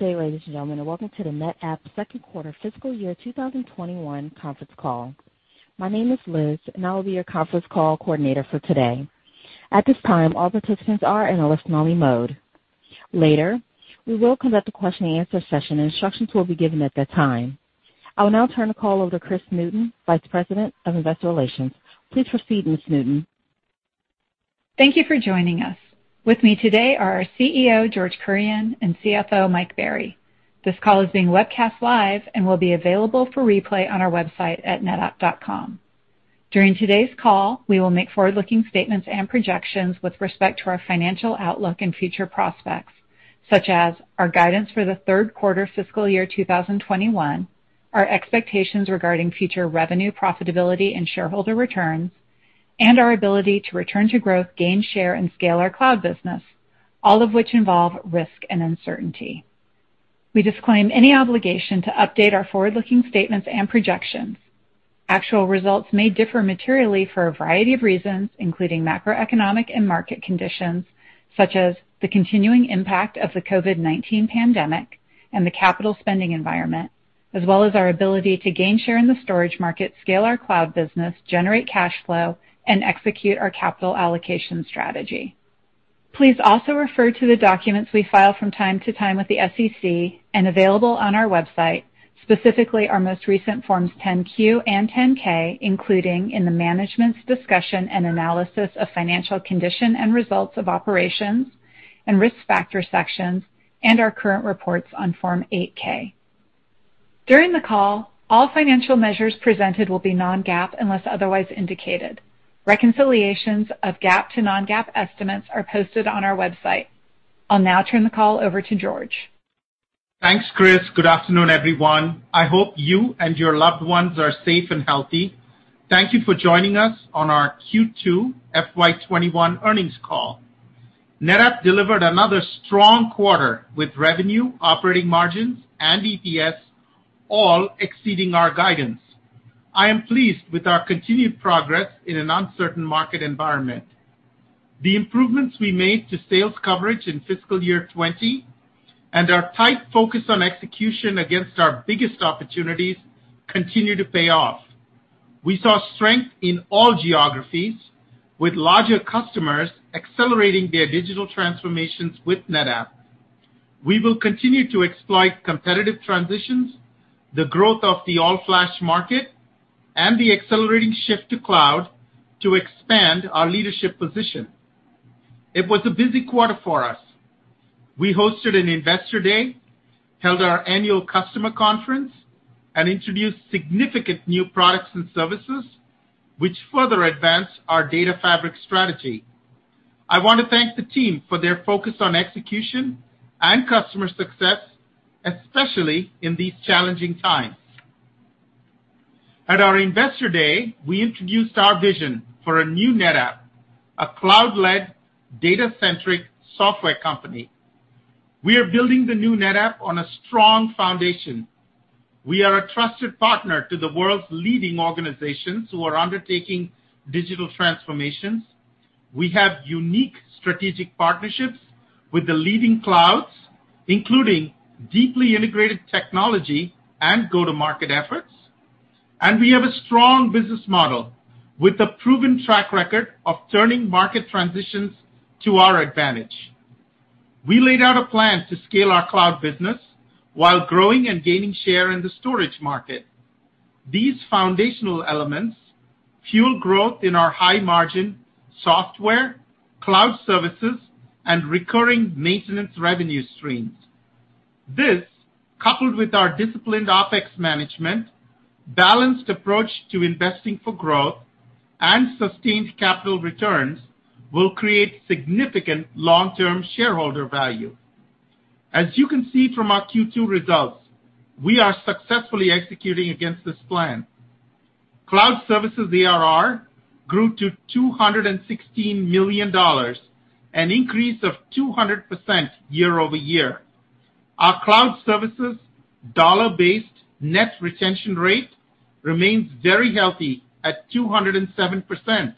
Good day, ladies and gentlemen, and welcome to the NetApp second quarter fiscal year 2021 conference call. My name is Liz, and I will be your conference call coordinator for today. At this time, all participants are in a listen-only mode. Later, we will conduct a question-and-answer session, and instructions will be given at that time. I will now turn the call over to Kris Newton, Vice President of Investor Relations. Please proceed, Ms. Newton. Thank you for joining us. With me today are our CEO, George Kurian, and CFO, Mike Berry. This call is being webcast live and will be available for replay on our website at netapp.com. During today's call, we will make forward-looking statements and projections with respect to our financial outlook and future prospects, such as our guidance for the third quarter fiscal year 2021, our expectations regarding future revenue profitability and shareholder returns, and our ability to return to growth, gain share, and scale our cloud business, all of which involve risk and uncertainty. We disclaim any obligation to update our forward-looking statements and projections. Actual results may differ materially for a variety of reasons, including macroeconomic and market conditions, such as the continuing impact of the COVID-19 pandemic and the capital spending environment, as well as our ability to gain share in the storage market, scale our cloud business, generate cash flow, and execute our capital allocation strategy. Please also refer to the documents we file from time to time with the SEC and available on our website, specifically our most recent Forms 10-Q and 10-K, including in the Management's Discussion and Analysis of Financial Condition and Results of Operations and Risk Factor sections and our current reports on Form 8-K. During the call, all financial measures presented will be non-GAAP unless otherwise indicated. Reconciliations of GAAP to non-GAAP estimates are posted on our website. I'll now turn the call over to George. Thanks, Kris. Good afternoon, everyone. I hope you and your loved ones are safe and healthy. Thank you for joining us on our Q2 FY2021 earnings call. NetApp delivered another strong quarter with revenue, operating margins, and EPS all exceeding our guidance. I am pleased with our continued progress in an uncertain market environment. The improvements we made to sales coverage in fiscal year 2020 and our tight focus on execution against our biggest opportunities continue to pay off. We saw strength in all geographies, with larger customers accelerating their digital transformations with NetApp. We will continue to exploit competitive transitions, the growth of the all-flash market, and the accelerating shift to cloud to expand our leadership position. It was a busy quarter for us. We hosted an Investor Day, held our annual customer conference, and introduced significant new products and services, which further advanced our data fabric strategy. I want to thank the team for their focus on execution and customer success, especially in these challenging times. At our Investor Day, we introduced our vision for a new NetApp, a cloud-led data-centric software company. We are building the new NetApp on a strong foundation. We are a trusted partner to the world's leading organizations who are undertaking digital transformations. We have unique strategic partnerships with the leading clouds, including deeply integrated technology and go-to-market efforts. We have a strong business model with a proven track record of turning market transitions to our advantage. We laid out a plan to scale our cloud business while growing and gaining share in the storage market. These foundational elements fuel growth in our high-margin software, cloud services, and recurring maintenance revenue streams. This, coupled with our disciplined OpEx management, balanced approach to investing for growth, and sustained capital returns, will create significant long-term shareholder value. As you can see from our Q2 results, we are successfully executing against this plan. Cloud services ERR grew to $216 million, an increase of 200% year over year. Our cloud services dollar-based net retention rate remains very healthy at 207%.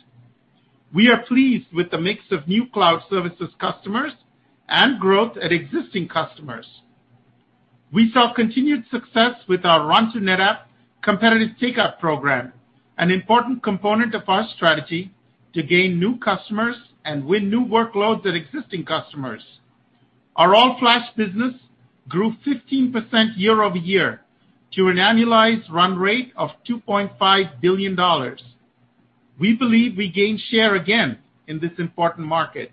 We are pleased with the mix of new cloud services customers and growth at existing customers. We saw continued success with our Run to NetApp competitive takeout program, an important component of our strategy to gain new customers and win new workloads at existing customers. Our all-flash business grew 15% year over year to an annualized run rate of $2.5 billion. We believe we gained share again in this important market.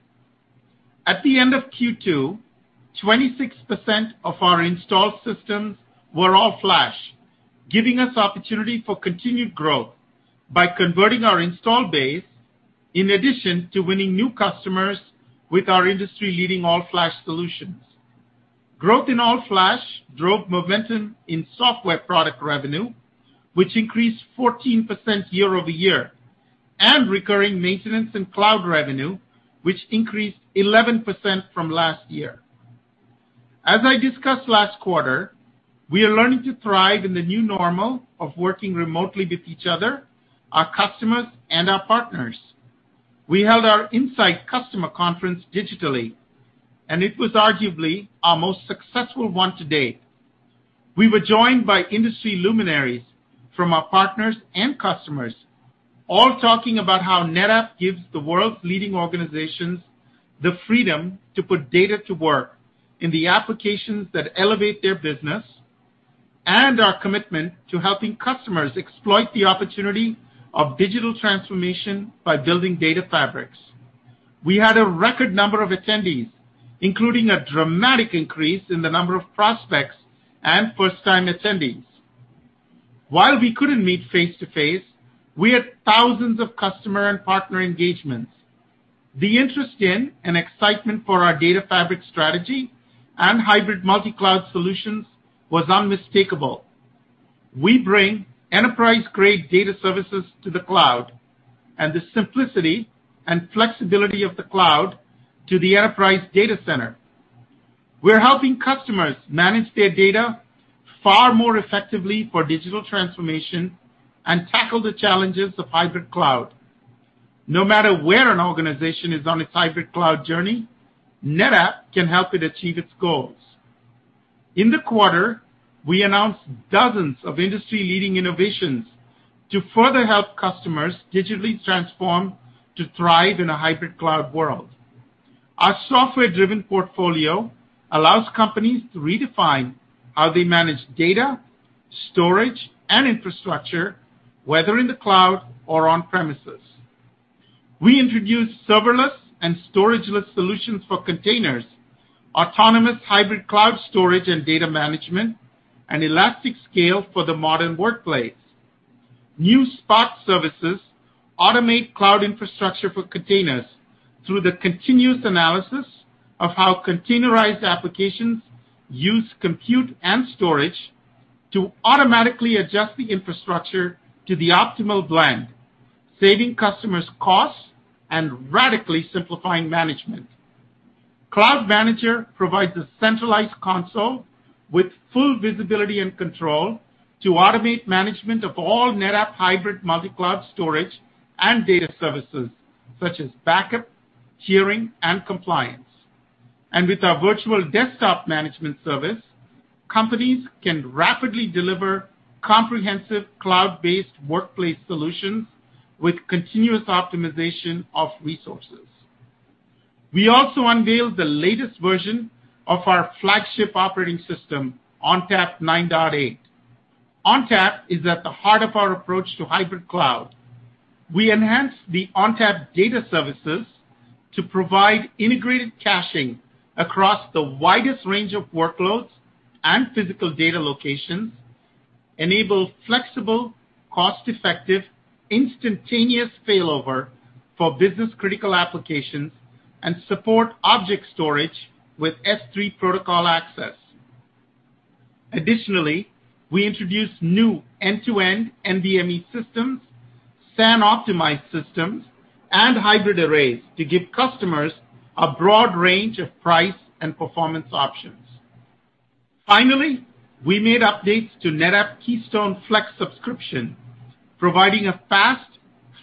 At the end of Q2, 26% of our installed systems were all-flash, giving us opportunity for continued growth by converting our install base in addition to winning new customers with our industry-leading all-flash solutions. Growth in all-flash drove momentum in software product revenue, which increased 14% year over year, and recurring maintenance and cloud revenue, which increased 11% from last year. As I discussed last quarter, we are learning to thrive in the new normal of working remotely with each other, our customers, and our partners. We held our Insight Customer Conference digitally, and it was arguably our most successful one to date. We were joined by industry luminaries from our partners and customers, all talking about how NetApp gives the world's leading organizations the freedom to put data to work in the applications that elevate their business and our commitment to helping customers exploit the opportunity of digital transformation by building data fabrics. We had a record number of attendees, including a dramatic increase in the number of prospects and first-time attendees. While we could not meet face-to-face, we had thousands of customer and partner engagements. The interest in and excitement for our data fabric strategy and hybrid multi-cloud solutions was unmistakable. We bring enterprise-grade data services to the cloud and the simplicity and flexibility of the cloud to the enterprise data center. We are helping customers manage their data far more effectively for digital transformation and tackle the challenges of hybrid cloud. No matter where an organization is on its hybrid cloud journey, NetApp can help it achieve its goals. In the quarter, we announced dozens of industry-leading innovations to further help customers digitally transform to thrive in a hybrid cloud world. Our software-driven portfolio allows companies to redefine how they manage data, storage, and infrastructure, whether in the cloud or on-premises. We introduced serverless and storage-less solutions for containers, autonomous hybrid cloud storage and data management, and elastic scale for the modern workplace. New Spot services automate cloud infrastructure for containers through the continuous analysis of how containerized applications use compute and storage to automatically adjust the infrastructure to the optimal blend, saving customers costs and radically simplifying management. Cloud Manager provides a centralized console with full visibility and control to automate management of all NetApp hybrid multi-cloud storage and data services, such as backup, tiering, and compliance. With our virtual desktop management service, companies can rapidly deliver comprehensive cloud-based workplace solutions with continuous optimization of resources. We also unveiled the latest version of our flagship operating system, ONTAP 9.8. ONTAP is at the heart of our approach to hybrid cloud. We enhanced the ONTAP data services to provide integrated caching across the widest range of workloads and physical data locations, enable flexible, cost-effective, instantaneous failover for business-critical applications, and support object storage with S3 protocol access. Additionally, we introduced new end-to-end NVMe systems, SAN-optimized systems, and hybrid arrays to give customers a broad range of price and performance options. Finally, we made updates to NetApp Keystone Flex Subscription, providing a fast,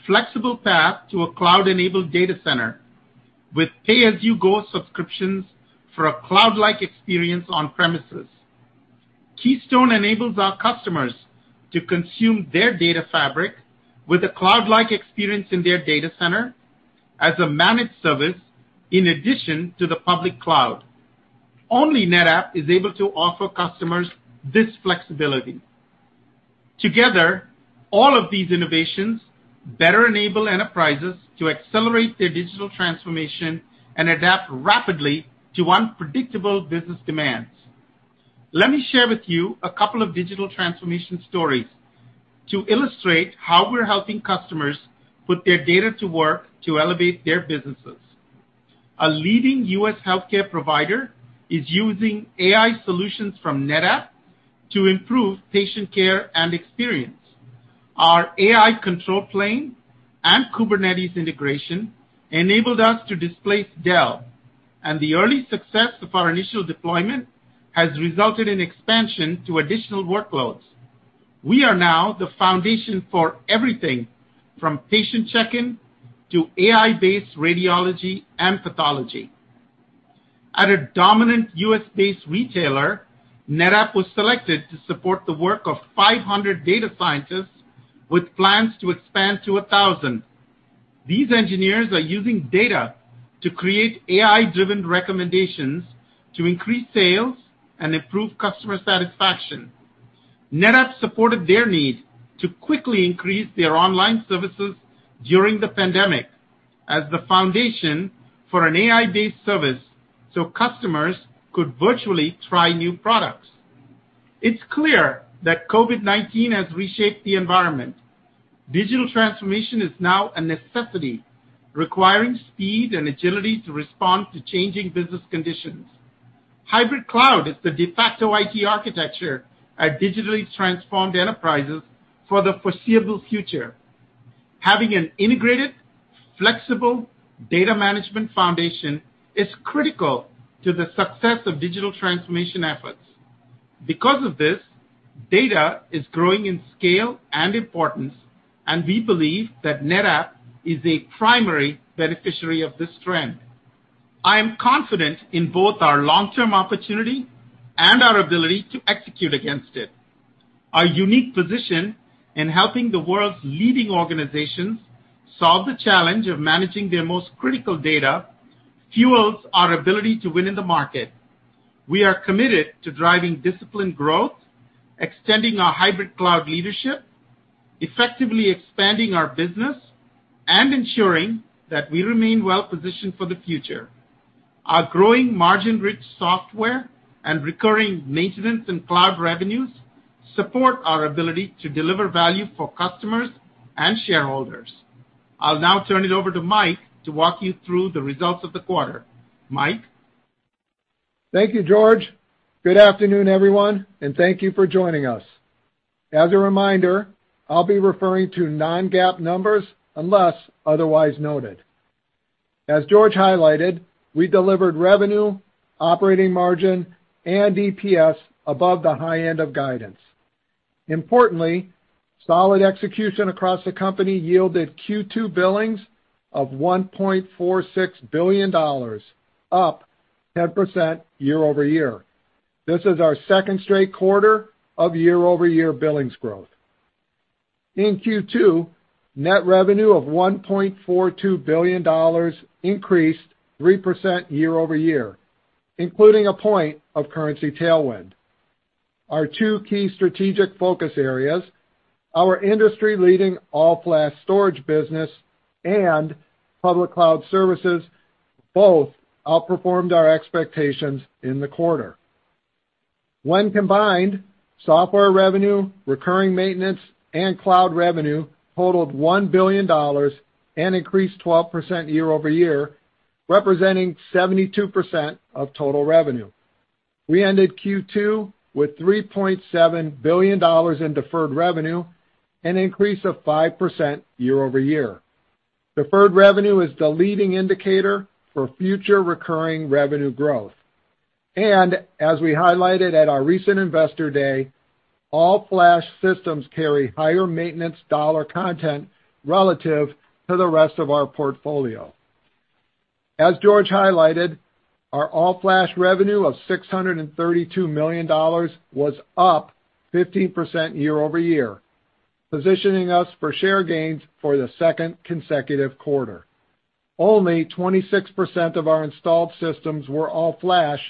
flexible path to a cloud-enabled data center with pay-as-you-go subscriptions for a cloud-like experience on-premises. Keystone enables our customers to consume their data fabric with a cloud-like experience in their data center as a managed service in addition to the public cloud. Only NetApp is able to offer customers this flexibility. Together, all of these innovations better enable enterprises to accelerate their digital transformation and adapt rapidly to unpredictable business demands. Let me share with you a couple of digital transformation stories to illustrate how we're helping customers put their data to work to elevate their businesses. A leading US healthcare provider is using AI solutions from NetApp to improve patient care and experience. Our AI control plane and Kubernetes integration enabled us to displace Dell, and the early success of our initial deployment has resulted in expansion to additional workloads. We are now the foundation for everything from patient check-in to AI-based radiology and pathology. At a dominant US-based retailer, NetApp was selected to support the work of 500 data scientists with plans to expand to 1,000. These engineers are using data to create AI-driven recommendations to increase sales and improve customer satisfaction. NetApp supported their need to quickly increase their online services during the pandemic as the foundation for an AI-based service so customers could virtually try new products. It is clear that COVID-19 has reshaped the environment. Digital transformation is now a necessity, requiring speed and agility to respond to changing business conditions. Hybrid cloud is the de facto IT architecture at digitally transformed enterprises for the foreseeable future. Having an integrated, flexible data management foundation is critical to the success of digital transformation efforts. Because of this, data is growing in scale and importance, and we believe that NetApp is a primary beneficiary of this trend. I am confident in both our long-term opportunity and our ability to execute against it. Our unique position in helping the world's leading organizations solve the challenge of managing their most critical data fuels our ability to win in the market. We are committed to driving disciplined growth, extending our hybrid cloud leadership, effectively expanding our business, and ensuring that we remain well-positioned for the future. Our growing margin-rich software and recurring maintenance and cloud revenues support our ability to deliver value for customers and shareholders. I'll now turn it over to Mike to walk you through the results of the quarter. Mike. Thank you, George. Good afternoon, everyone, and thank you for joining us. As a reminder, I'll be referring to non-GAAP numbers unless otherwise noted. As George highlighted, we delivered revenue, operating margin, and EPS above the high end of guidance. Importantly, solid execution across the company yielded Q2 billings of $1.46 billion, up 10% year over year. This is our second straight quarter of year-over-year billings growth. In Q2, net revenue of $1.42 billion increased 3% year over year, including a point of currency tailwind. Our two key strategic focus areas, our industry-leading all-flash storage business and public cloud services, both outperformed our expectations in the quarter. When combined, software revenue, recurring maintenance, and cloud revenue totaled $1 billion and increased 12% year over year, representing 72% of total revenue. We ended Q2 with $3.7 billion in deferred revenue, an increase of 5% year over year. Deferred revenue is the leading indicator for future recurring revenue growth. As we highlighted at our recent investor day, all-flash systems carry higher maintenance dollar content relative to the rest of our portfolio. As George highlighted, our all-flash revenue of $632 million was up 15% year over year, positioning us for share gains for the second consecutive quarter. Only 26% of our installed systems were all-flash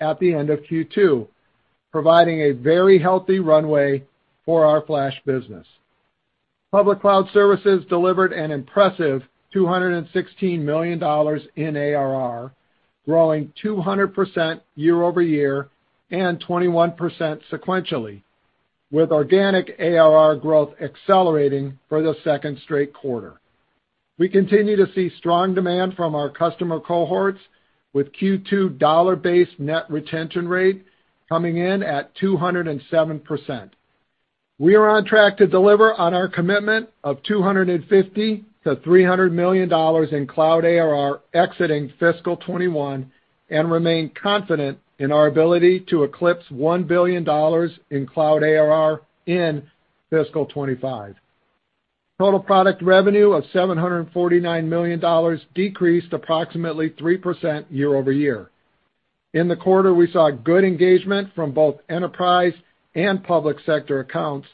at the end of Q2, providing a very healthy runway for our flash business. Public cloud services delivered an impressive $216 million in ARR, growing 200% year over year and 21% sequentially, with organic ARR growth accelerating for the second straight quarter. We continue to see strong demand from our customer cohorts, with Q2 dollar-based net retention rate coming in at 207%. We are on track to deliver on our commitment of $250-$300 million in cloud ARR exiting fiscal 2021 and remain confident in our ability to eclipse $1 billion in cloud ARR in fiscal 2025. Total product revenue of $749 million decreased approximately 3% year over year. In the quarter, we saw good engagement from both enterprise and public sector accounts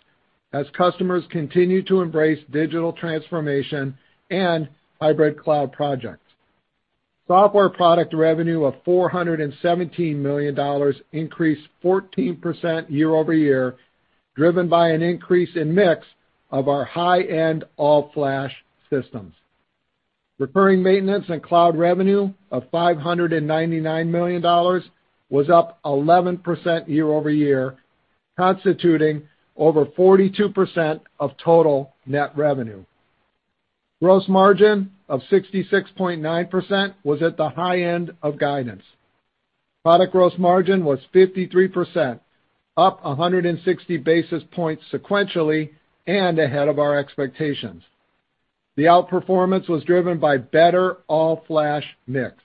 as customers continue to embrace digital transformation and hybrid cloud projects. Software product revenue of $417 million increased 14% year over year, driven by an increase in mix of our high-end all-flash systems. Recurring maintenance and cloud revenue of $599 million was up 11% year over year, constituting over 42% of total net revenue. Gross margin of 66.9% was at the high end of guidance. Product gross margin was 53%, up 160 basis points sequentially and ahead of our expectations. The outperformance was driven by better all-flash mix.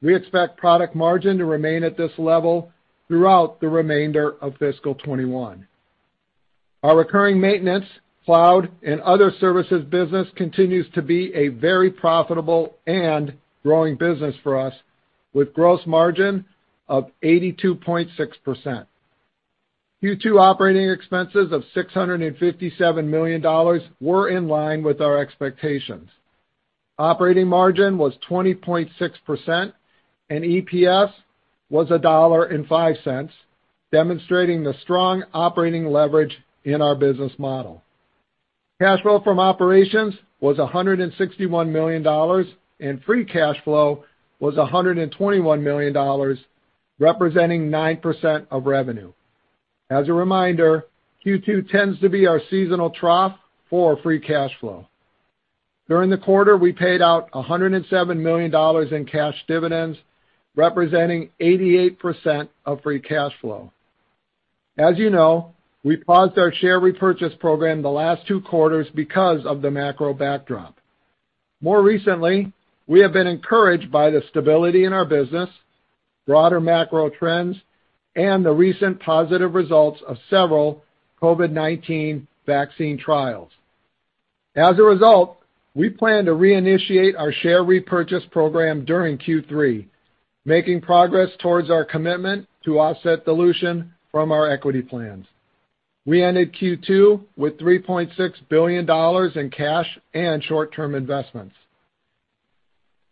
We expect product margin to remain at this level throughout the remainder of fiscal 2021. Our recurring maintenance, cloud, and other services business continues to be a very profitable and growing business for us, with gross margin of 82.6%. Q2 operating expenses of $657 million were in line with our expectations. Operating margin was 20.6%, and EPS was $1.05, demonstrating the strong operating leverage in our business model. Cash flow from operations was $161 million, and free cash flow was $121 million, representing 9% of revenue. As a reminder, Q2 tends to be our seasonal trough for free cash flow. During the quarter, we paid out $107 million in cash dividends, representing 88% of free cash flow. As you know, we paused our share repurchase program the last two quarters because of the macro backdrop. More recently, we have been encouraged by the stability in our business, broader macro trends, and the recent positive results of several COVID-19 vaccine trials. As a result, we plan to reinitiate our share repurchase program during Q3, making progress towards our commitment to offset dilution from our equity plans. We ended Q2 with $3.6 billion in cash and short-term investments.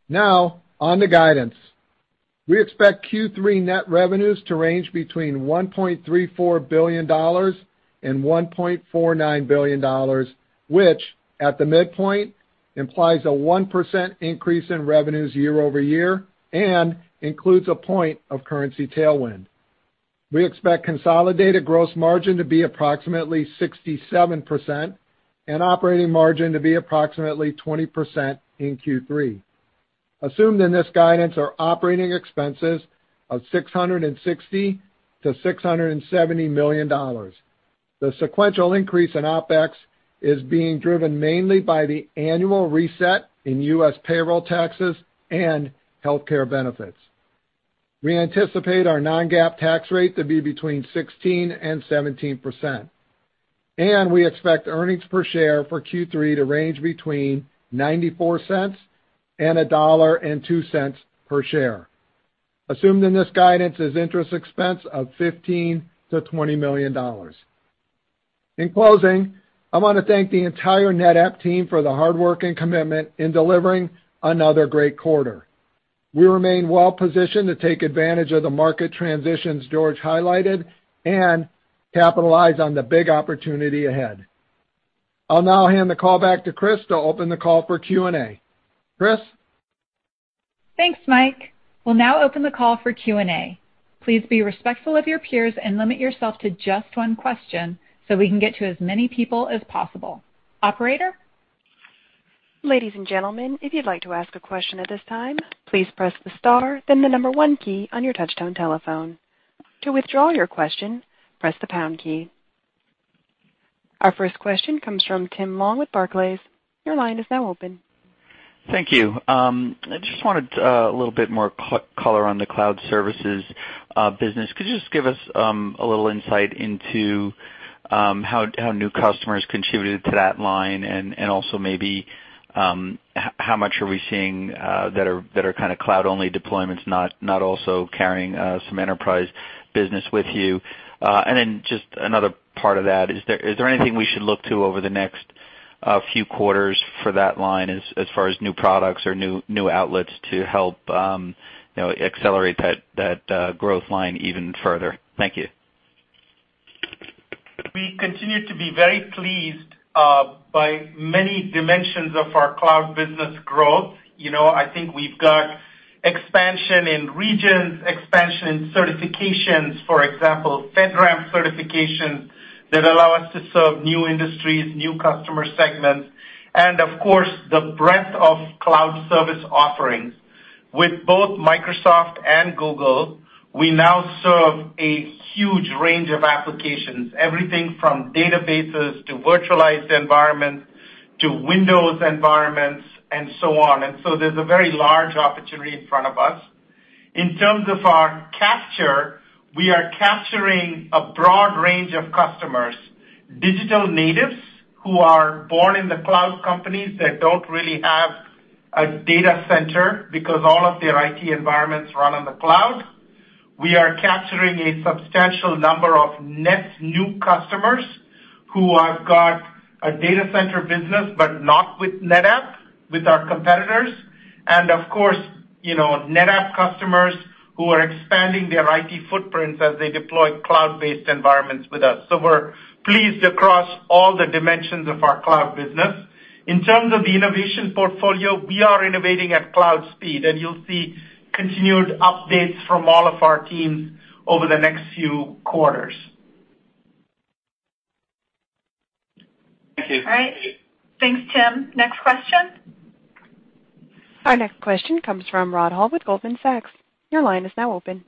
Now, on to guidance. We expect Q3 net revenues to range between $1.34 billion and $1.49 billion, which, at the midpoint, implies a 1% increase in revenues year over year and includes a point of currency tailwind. We expect consolidated gross margin to be approximately 67% and operating margin to be approximately 20% in Q3. Assumed in this guidance are operating expenses of $660-$670 million. The sequential increase in OpEx is being driven mainly by the annual reset in US payroll taxes and healthcare benefits. We anticipate our non-GAAP tax rate to be between 16%-17%. We expect earnings per share for Q3 to range between $0.94 and $1.02 per share. Assumed in this guidance is interest expense of $15-$20 million. In closing, I want to thank the entire NetApp team for the hard work and commitment in delivering another great quarter. We remain well-positioned to take advantage of the market transitions George highlighted and capitalize on the big opportunity ahead. I'll now hand the call back to Kris to open the call for Q&A. Kris. Thanks, Mike. We'll now open the call for Q&A. Please be respectful of your peers and limit yourself to just one question so we can get to as many people as possible. Operator. Ladies and gentlemen, if you'd like to ask a question at this time, please press the star, then the number one key on your touchtone telephone. To withdraw your question, press the pound key. Our first question comes from Tim Long with Barclays. Your line is now open. Thank you. I just wanted a little bit more color on the cloud services business. Could you just give us a little insight into how new customers contributed to that line and also maybe how much are we seeing that are kind of cloud-only deployments, not also carrying some enterprise business with you? Another part of that, is there anything we should look to over the next few quarters for that line as far as new products or new outlets to help accelerate that growth line even further? Thank you. We continue to be very pleased by many dimensions of our cloud business growth. I think we've got expansion in regions, expansion in certifications, for example, FedRAMP certifications that allow us to serve new industries, new customer segments, and of course, the breadth of cloud service offerings. With both Microsoft and Google, we now serve a huge range of applications, everything from databases to virtualized environments to Windows environments and so on. There is a very large opportunity in front of us. In terms of our capture, we are capturing a broad range of customers, digital natives who are born in the cloud, companies that do not really have a data center because all of their IT environments run on the cloud. We are capturing a substantial number of net new customers who have got a data center business but not with NetApp, with our competitors. Of course, NetApp customers who are expanding their IT footprints as they deploy cloud-based environments with us. We are pleased across all the dimensions of our cloud business. In terms of the innovation portfolio, we are innovating at cloud speed, and you'll see continued updates from all of our teams over the next few quarters. Thank you. All right. Thanks, Tim. Next question. Our next question comes from Rod Hall with Goldman Sachs. Your line is now open.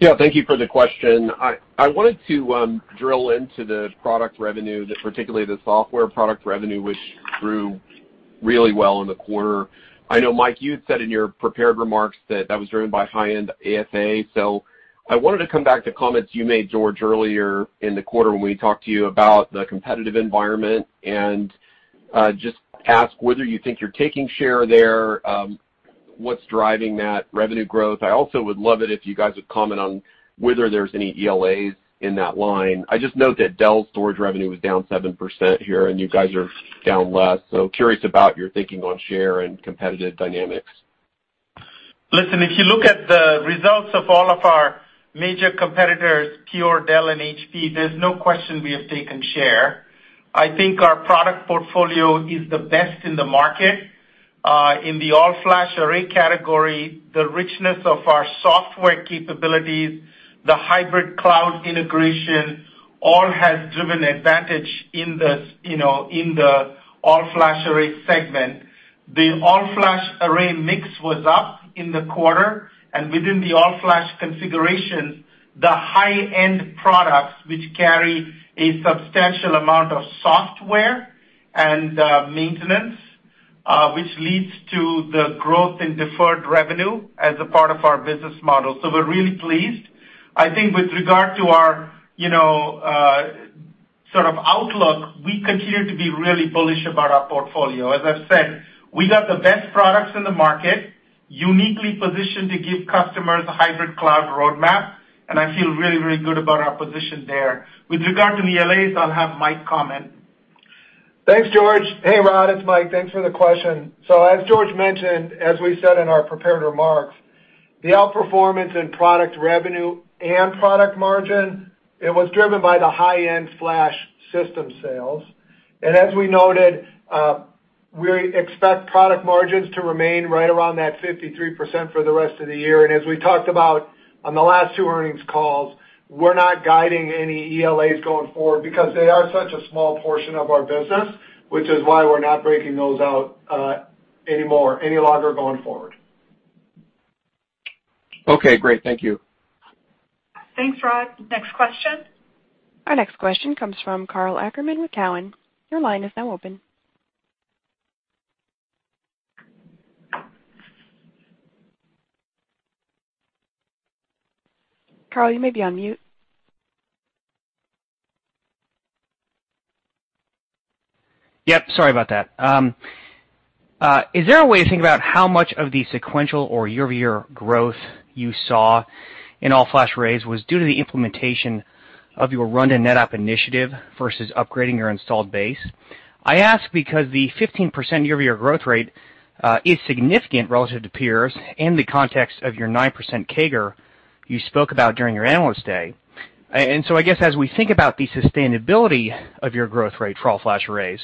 Yeah, thank you for the question. I wanted to drill into the product revenue, particularly the software product revenue, which grew really well in the quarter. I know, Mike, you had said in your prepared remarks that that was driven by high-end ASA. I wanted to come back to comments you made, George, earlier in the quarter when we talked to you about the competitive environment and just ask whether you think you're taking share there, what's driving that revenue growth. I also would love it if you guys would comment on whether there's any ELAs in that line. I just note that Dell's storage revenue was down 7% here, and you guys are down less. Curious about your thinking on share and competitive dynamics. Listen, if you look at the results of all of our major competitors, Pure, Dell, and HPE, there's no question we have taken share. I think our product portfolio is the best in the market. In the all-flash array category, the richness of our software capabilities, the hybrid cloud integration all has driven advantage in the all-flash array segment. The all-flash array mix was up in the quarter, and within the all-flash configurations, the high-end products, which carry a substantial amount of software and maintenance, which leads to the growth in deferred revenue as a part of our business model. We are really pleased. I think with regard to our sort of outlook, we continue to be really bullish about our portfolio. As I've said, we got the best products in the market, uniquely positioned to give customers a hybrid cloud roadmap, and I feel really, really good about our position there. With regard to the ELAs, I'll have Mike comment. Thanks, George. Hey, Rod, it's Mike. Thanks for the question. As George mentioned, as we said in our prepared remarks, the outperformance in product revenue and product margin, it was driven by the high-end flash system sales. As we noted, we expect product margins to remain right around that 53% for the rest of the year. As we talked about on the last two earnings calls, we're not guiding any ELAs going forward because they are such a small portion of our business, which is why we're not breaking those out any longer going forward. Okay, great. Thank you. Thanks, Rod. Next question. Our next question comes from Karl Ackerman with Cowen. Your line is now open. Karl, you may be on mute. Yep, sorry about that. Is there a way to think about how much of the sequential or year-over-year growth you saw in all-flash arrays was due to the implementation of your run-to-NetApp initiative versus upgrading your installed base? I ask because the 15% year-over-year growth rate is significant relative to peers in the context of your 9% CAGR you spoke about during your analyst day. I guess as we think about the sustainability of your growth rate for all-flash arrays,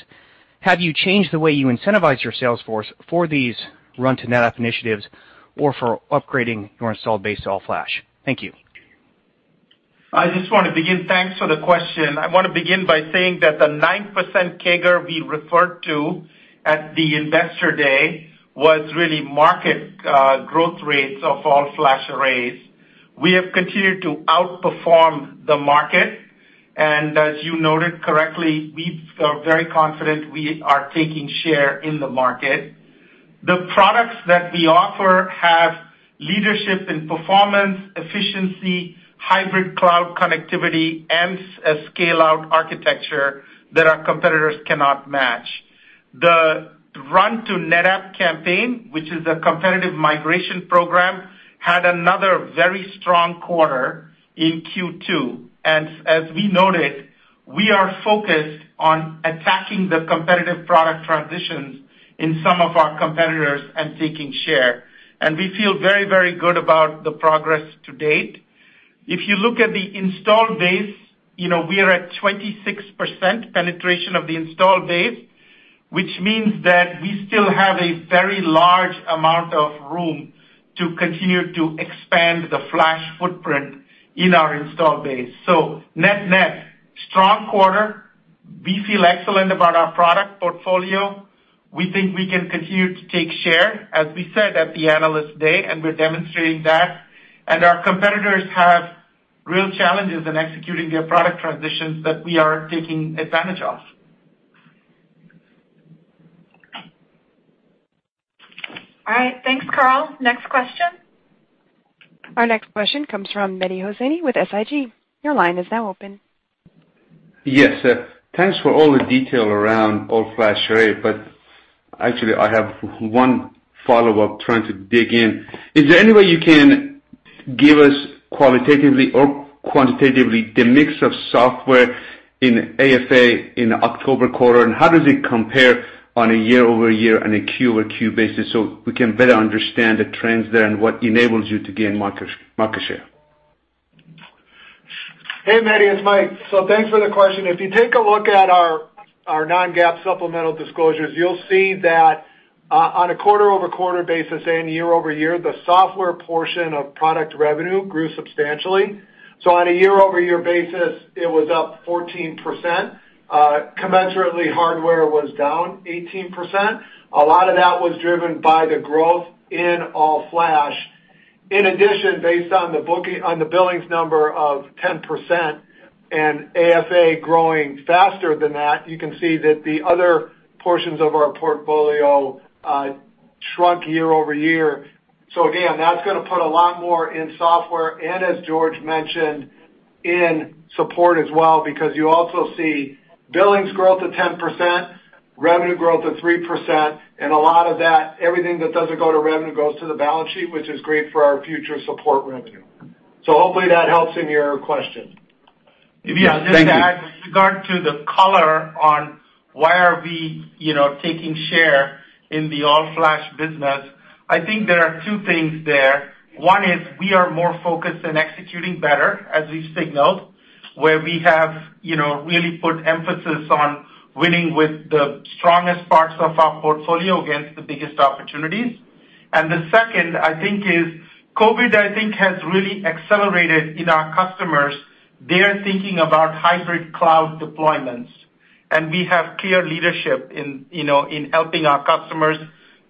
have you changed the way you incentivize your salesforce for these run-to-NetApp initiatives or for upgrading your installed base to all-flash? Thank you. I just want to begin thanks for the question. I want to begin by saying that the 9% CAGR we referred to at the investor day was really market growth rates of all-flash arrays. We have continued to outperform the market, and as you noted correctly, we are very confident we are taking share in the market. The products that we offer have leadership in performance, efficiency, hybrid cloud connectivity, and a scale-out architecture that our competitors cannot match. The run-to-NetApp campaign, which is a competitive migration program, had another very strong quarter in Q2. As we noted, we are focused on attacking the competitive product transitions in some of our competitors and taking share. We feel very, very good about the progress to date. If you look at the installed base, we are at 26% penetration of the installed base, which means that we still have a very large amount of room to continue to expand the flash footprint in our installed base. Net-net strong quarter. We feel excellent about our product portfolio. We think we can continue to take share, as we said at the analyst day, and we're demonstrating that. Our competitors have real challenges in executing their product transitions that we are taking advantage of. All right. Thanks, Karl. Next question. Our next question comes from Mehdi Hosseini with SIG. Your line is now open. Yes, sir. Thanks for all the detail around all-flash array, but actually, I have one follow-up trying to dig in. Is there any way you can give us qualitatively or quantitatively the mix of software in ASA in the October quarter, and how does it compare on a year-over-year and a Q-over-Q basis so we can better understand the trends there and what enables you to gain market share? Hey, Mehdi. It's Mike. Thanks for the question. If you take a look at our non-GAAP supplemental disclosures, you'll see that on a quarter-over-quarter basis and year-over-year, the software portion of product revenue grew substantially. On a year-over-year basis, it was up 14%. Commensurately, hardware was down 18%. A lot of that was driven by the growth in all-flash. In addition, based on the billings number of 10% and ASA growing faster than that, you can see that the other portions of our portfolio shrunk year-over-year. Again, that's going to put a lot more in software and, as George mentioned, in support as well because you also see billings growth at 10%, revenue growth at 3%, and a lot of that, everything that does not go to revenue goes to the balance sheet, which is great for our future support revenue. Hopefully that helps in your question. Yeah, just to add with regard to the color on why are we taking share in the all-flash business, I think there are two things there. One is we are more focused and executing better, as we've signaled, where we have really put emphasis on winning with the strongest parts of our portfolio against the biggest opportunities. The second, I think, is COVID, I think, has really accelerated in our customers. They are thinking about hybrid cloud deployments, and we have clear leadership in helping our customers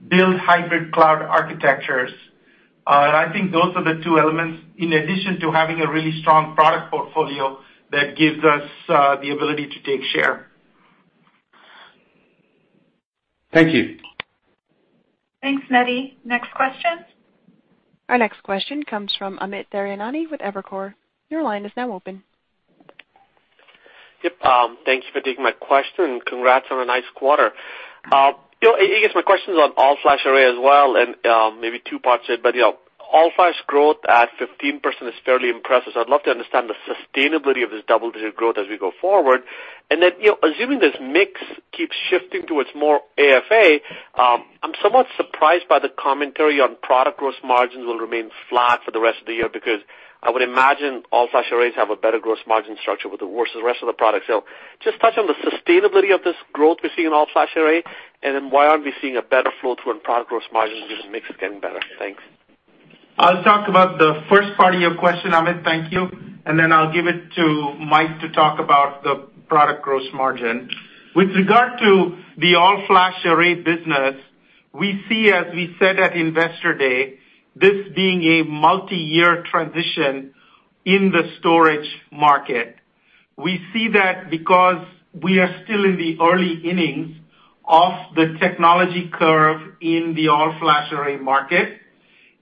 build hybrid cloud architectures. I think those are the two elements in addition to having a really strong product portfolio that gives us the ability to take share. Thank you. Thanks, Mehdi. Next question. Our next question comes from Amit Daryanani with Evercore. Your line is now open. Yep. Thank you for taking my question. Congrats on a nice quarter. I guess my question's on all-flash array as well and maybe two parts of it, but all-flash growth at 15% is fairly impressive. I'd love to understand the sustainability of this double-digit growth as we go forward. Assuming this mix keeps shifting towards more AFA, I'm somewhat surprised by the commentary on product gross margins will remain flat for the rest of the year because I would imagine all-flash arrays have a better gross margin structure versus the rest of the products. Just touch on the sustainability of this growth we're seeing in all-flash array, and then why aren't we seeing a better flow through in product gross margins because the mix is getting better? Thanks. I'll talk about the first part of your question, Amit. Thank you. I'll give it to Mike to talk about the product gross margin. With regard to the all-flash array business, we see, as we said at investor day, this being a multi-year transition in the storage market. We see that because we are still in the early innings of the technology curve in the all-flash array market,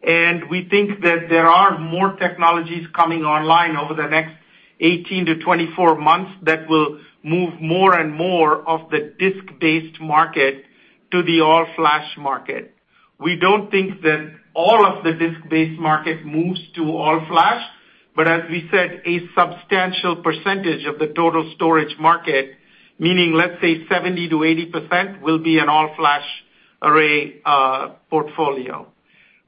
and we think that there are more technologies coming online over the next 18-24 months that will move more and more of the disk-based market to the all-flash market. We don't think that all of the disk-based market moves to all-flash, but as we said, a substantial percentage of the total storage market, meaning let's say 70-80%, will be an all-flash array portfolio.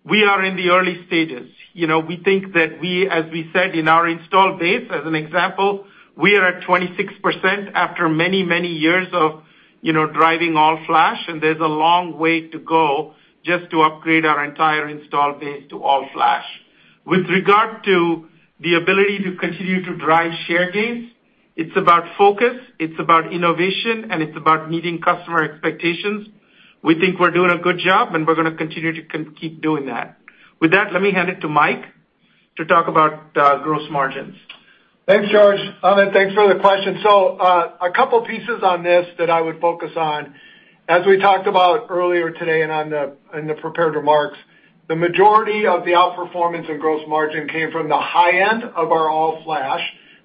We are in the early stages. We think that we, as we said, in our installed base, as an example, we are at 26% after many, many years of driving all-flash, and there's a long way to go just to upgrade our entire installed base to all-flash. With regard to the ability to continue to drive share gains, it's about focus, it's about innovation, and it's about meeting customer expectations. We think we're doing a good job, and we're going to continue to keep doing that. With that, let me hand it to Mike to talk about gross margins. Thanks, George. Thanks for the question. A couple of pieces on this that I would focus on. As we talked about earlier today and in the prepared remarks, the majority of the outperformance in gross margin came from the high end of our all-flash.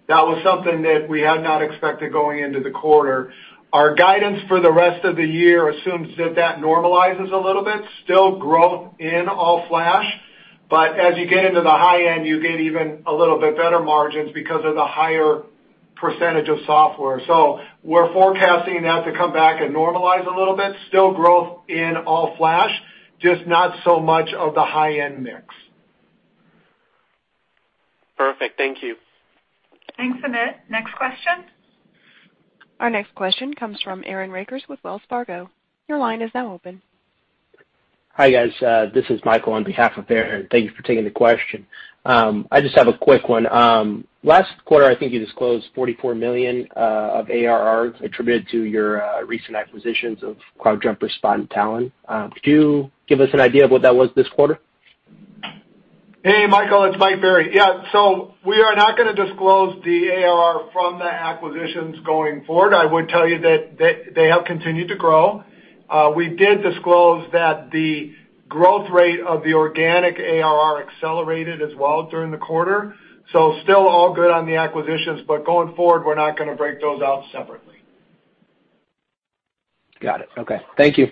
That was something that we had not expected going into the quarter. Our guidance for the rest of the year assumes that that normalizes a little bit. Still growth in all-flash, but as you get into the high end, you get even a little bit better margins because of the higher percentage of software. We are forecasting that to come back and normalize a little bit. Still growth in all-flash, just not so much of the high-end mix. Perfect. Thank you. Thanks, Amit. Next question. Our next question comes from Aaron Rakers with Wells Fargo. Your line is now open. Hi guys. This is Michael on behalf of Aaron. Thank you for taking the question. I just have a quick one. Last quarter, I think you disclosed $44 million of ARR attributed to your recent acquisitions of CloudJumper, Spot, and Talon. Could you give us an idea of what that was this quarter? Hey, Michael. It's Mike Berry. Yeah. We are not going to disclose the ARR from the acquisitions going forward. I would tell you that they have continued to grow. We did disclose that the growth rate of the organic ARR accelerated as well during the quarter. Still all good on the acquisitions, but going forward, we're not going to break those out separately. Got it. Okay. Thank you.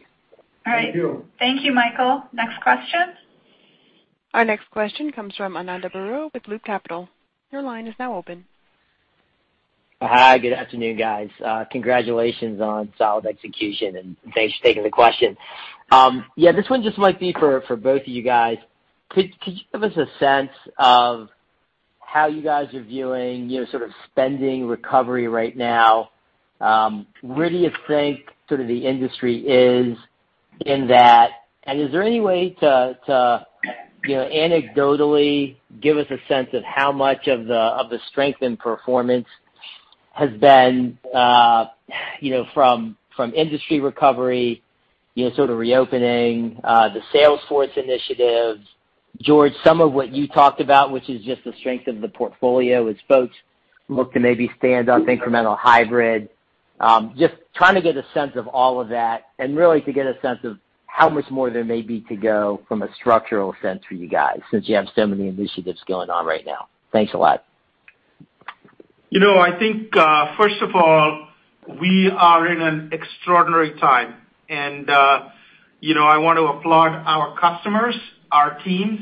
All right. Thank you. Thank you, Michael. Next question. Our next question comes from Ananda Baruah with Loop Capital. Your line is now open. Hi. Good afternoon, guys. Congratulations on solid execution, and thanks for taking the question. Yeah, this one just might be for both of you guys. Could you give us a sense of how you guys are viewing sort of spending recovery right now? Where do you think sort of the industry is in that? Is there any way to anecdotally give us a sense of how much of the strength in performance has been from industry recovery, sort of reopening, the Salesforce initiative? George, some of what you talked about, which is just the strength of the portfolio, is folks look to maybe stand up incremental hybrid. Just trying to get a sense of all of that and really to get a sense of how much more there may be to go from a structural sense for you guys since you have so many initiatives going on right now. Thanks a lot. I think, first of all, we are in an extraordinary time, and I want to applaud our customers, our teams,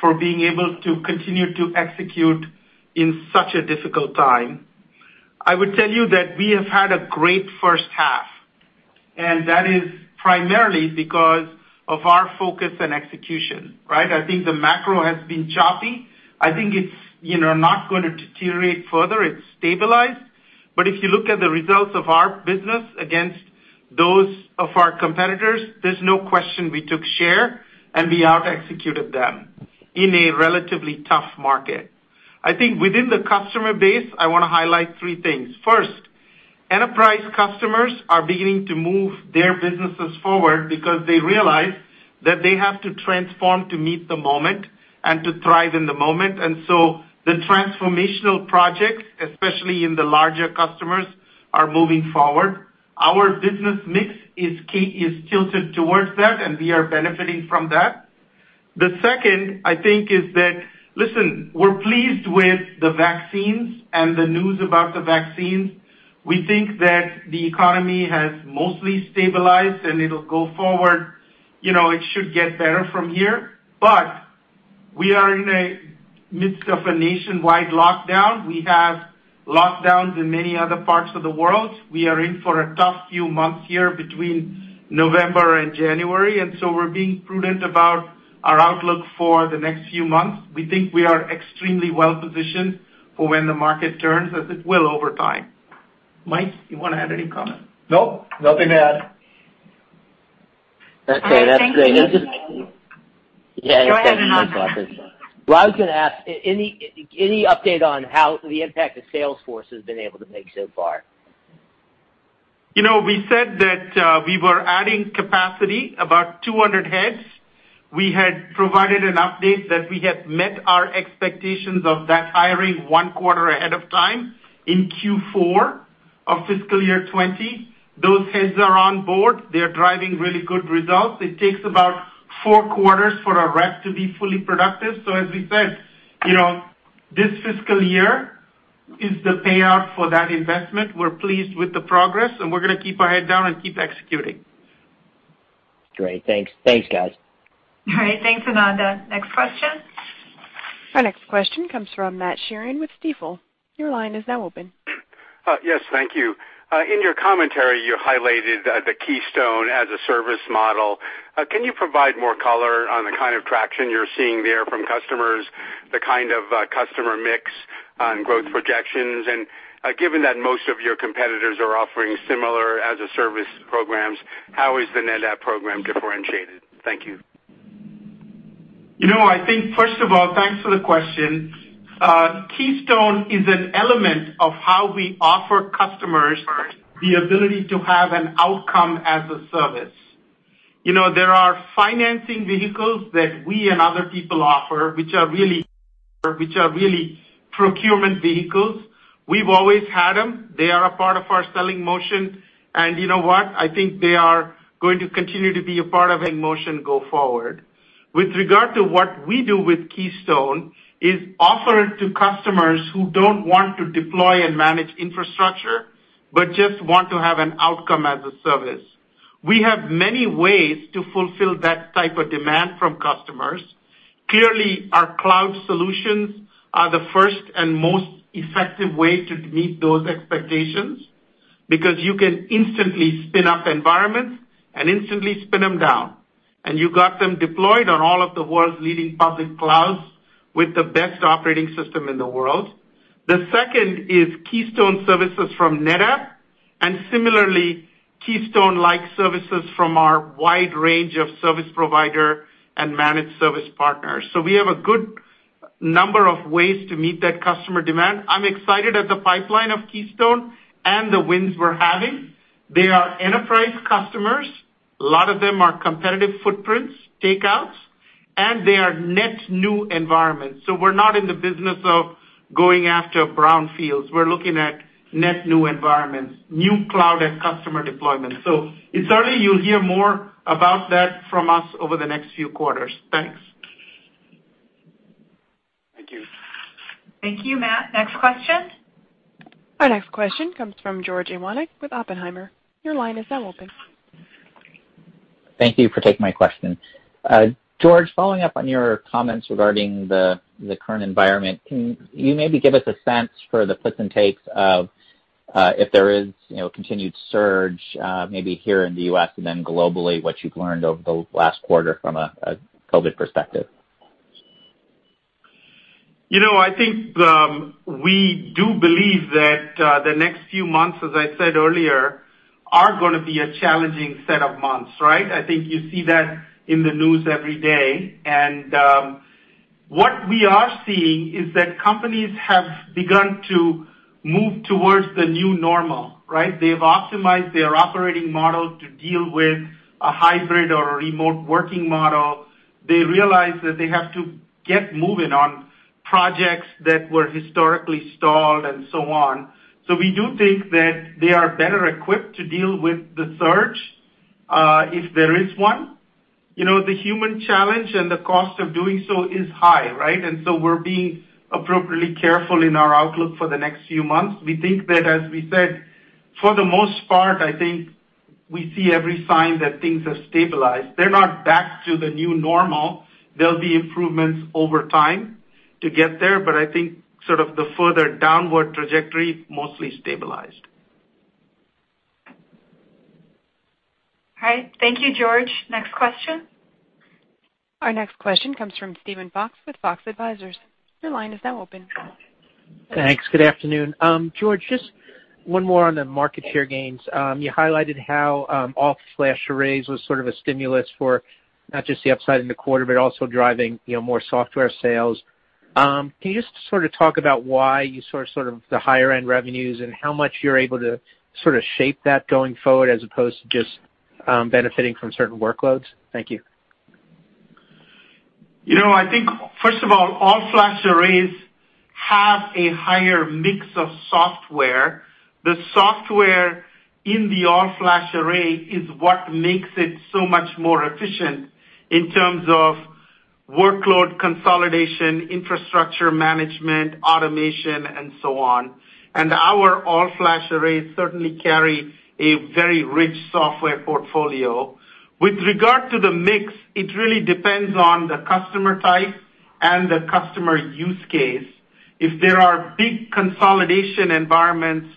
for being able to continue to execute in such a difficult time. I would tell you that we have had a great first half, and that is primarily because of our focus and execution, right? I think the macro has been choppy. I think it's not going to deteriorate further. It's stabilized. If you look at the results of our business against those of our competitors, there's no question we took share and we out-executed them in a relatively tough market. I think within the customer base, I want to highlight three things. First, enterprise customers are beginning to move their businesses forward because they realize that they have to transform to meet the moment and to thrive in the moment. The transformational projects, especially in the larger customers, are moving forward. Our business mix is tilted towards that, and we are benefiting from that. The second, I think, is that, listen, we're pleased with the vaccines and the news about the vaccines. We think that the economy has mostly stabilized, and it'll go forward. It should get better from here. We are in the midst of a nationwide lockdown. We have lockdowns in many other parts of the world. We are in for a tough few months here between November and January, and we are being prudent about our outlook for the next few months. We think we are extremely well-positioned for when the market turns, as it will over time. Mike, you want to add any comment? Nope. Nothing to add. That's great. Yeah. Go ahead, Ananda. I anted to asked, any update on how the impact that Salesforce has been able to make so far? We said that we were adding capacity, about 200 heads. We had provided an update that we had met our expectations of that hiring one quarter ahead of time in Q4 of fiscal year 2020. Those heads are on board. They're driving really good results. It takes about four quarters for a rep to be fully productive. As we said, this fiscal year is the payout for that investment. We're pleased with the progress, and we're going to keep our head down and keep executing. Great. Thanks. Thanks, guys. All right. Thanks, Ananda. Next question. Our next question comes from Matt Sheerin with Stifel. Your line is now open. Yes. Thank you. In your commentary, you highlighted the Keystone as a service model. Can you provide more color on the kind of traction you're seeing there from customers, the kind of customer mix and growth projections? Given that most of your competitors are offering similar as-a-service programs, how is the NetApp program differentiated? Thank you. I think, first of all, thanks for the question. Keystone is an element of how we offer customers the ability to have an outcome as a service. There are financing vehicles that we and other people offer, which are really procurement vehicles. We've always had them. They are a part of our selling motion. You know what? I think they are going to continue to be a part of that motion going forward. With regard to what we do with Keystone is offer it to customers who do not want to deploy and manage infrastructure but just want to have an outcome as a service. We have many ways to fulfill that type of demand from customers. Clearly, our cloud solutions are the first and most effective way to meet those expectations because you can instantly spin up environments and instantly spin them down. You got them deployed on all of the world's leading public clouds with the best operating system in the world. The second is Keystone services from NetApp and similarly Keystone-like services from our wide range of service provider and managed service partners. We have a good number of ways to meet that customer demand. I'm excited at the pipeline of Keystone and the wins we're having. They are enterprise customers. A lot of them are competitive footprints, takeouts, and they are net new environments. We're not in the business of going after brownfields. We're looking at net new environments, new cloud at customer deployment. It's early. You'll hear more about that from us over the next few quarters. Thanks. Thank you. Thank you, Matt. Next question. Our next question comes from George Iwanyc with Oppenheimer. Your line is now open. Thank you for taking my question. George, following up on your comments regarding the current environment, can you maybe give us a sense for the puts and takes of if there is a continued surge, maybe here in the U.S. and then globally, what you've learned over the last quarter from a COVID perspective? I think we do believe that the next few months, as I said earlier, are going to be a challenging set of months, right? I think you see that in the news every day. What we are seeing is that companies have begun to move towards the new normal, right? They've optimized their operating model to deal with a hybrid or a remote working model. They realize that they have to get moving on projects that were historically stalled and so on. We do think that they are better equipped to deal with the surge if there is one. The human challenge and the cost of doing so is high, right? We are being appropriately careful in our outlook for the next few months. We think that, as we said, for the most part, we see every sign that things have stabilized. They are not back to the new normal. There will be improvements over time to get there, but I think sort of the further downward trajectory, mostly stabilized. All right. Thank you, George. Next question. Our next question comes from Steven Fox with Fox Advisors. Your line is now open. Thanks. Good afternoon. George, just one more on the market share gains. You highlighted how all-flash arrays was sort of a stimulus for not just the upside in the quarter, but also driving more software sales. Can you just sort of talk about why you saw sort of the higher-end revenues and how much you're able to sort of shape that going forward as opposed to just benefiting from certain workloads? Thank you. I think, first of all, all-flash arrays have a higher mix of software. The software in the all-flash array is what makes it so much more efficient in terms of workload consolidation, infrastructure management, automation, and so on. Our all-flash arrays certainly carry a very rich software portfolio. With regard to the mix, it really depends on the customer type and the customer use case. If there are big consolidation environments,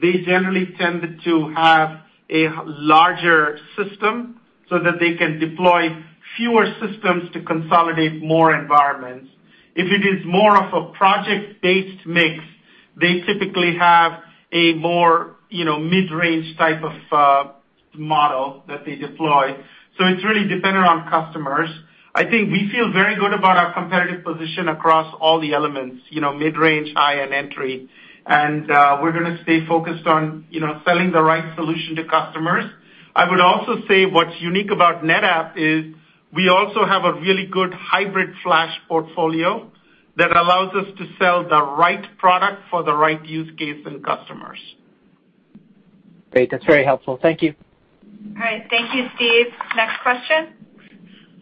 they generally tend to have a larger system so that they can deploy fewer systems to consolidate more environments. If it is more of a project-based mix, they typically have a more mid-range type of model that they deploy. It is really dependent on customers. I think we feel very good about our competitive position across all the elements: mid-range, high, and entry. We are going to stay focused on selling the right solution to customers. I would also say what is unique about NetApp is we also have a really good hybrid flash portfolio that allows us to sell the right product for the right use case and customers. Great. That is very helpful. Thank you. All right. Thank you, Steve. Next question.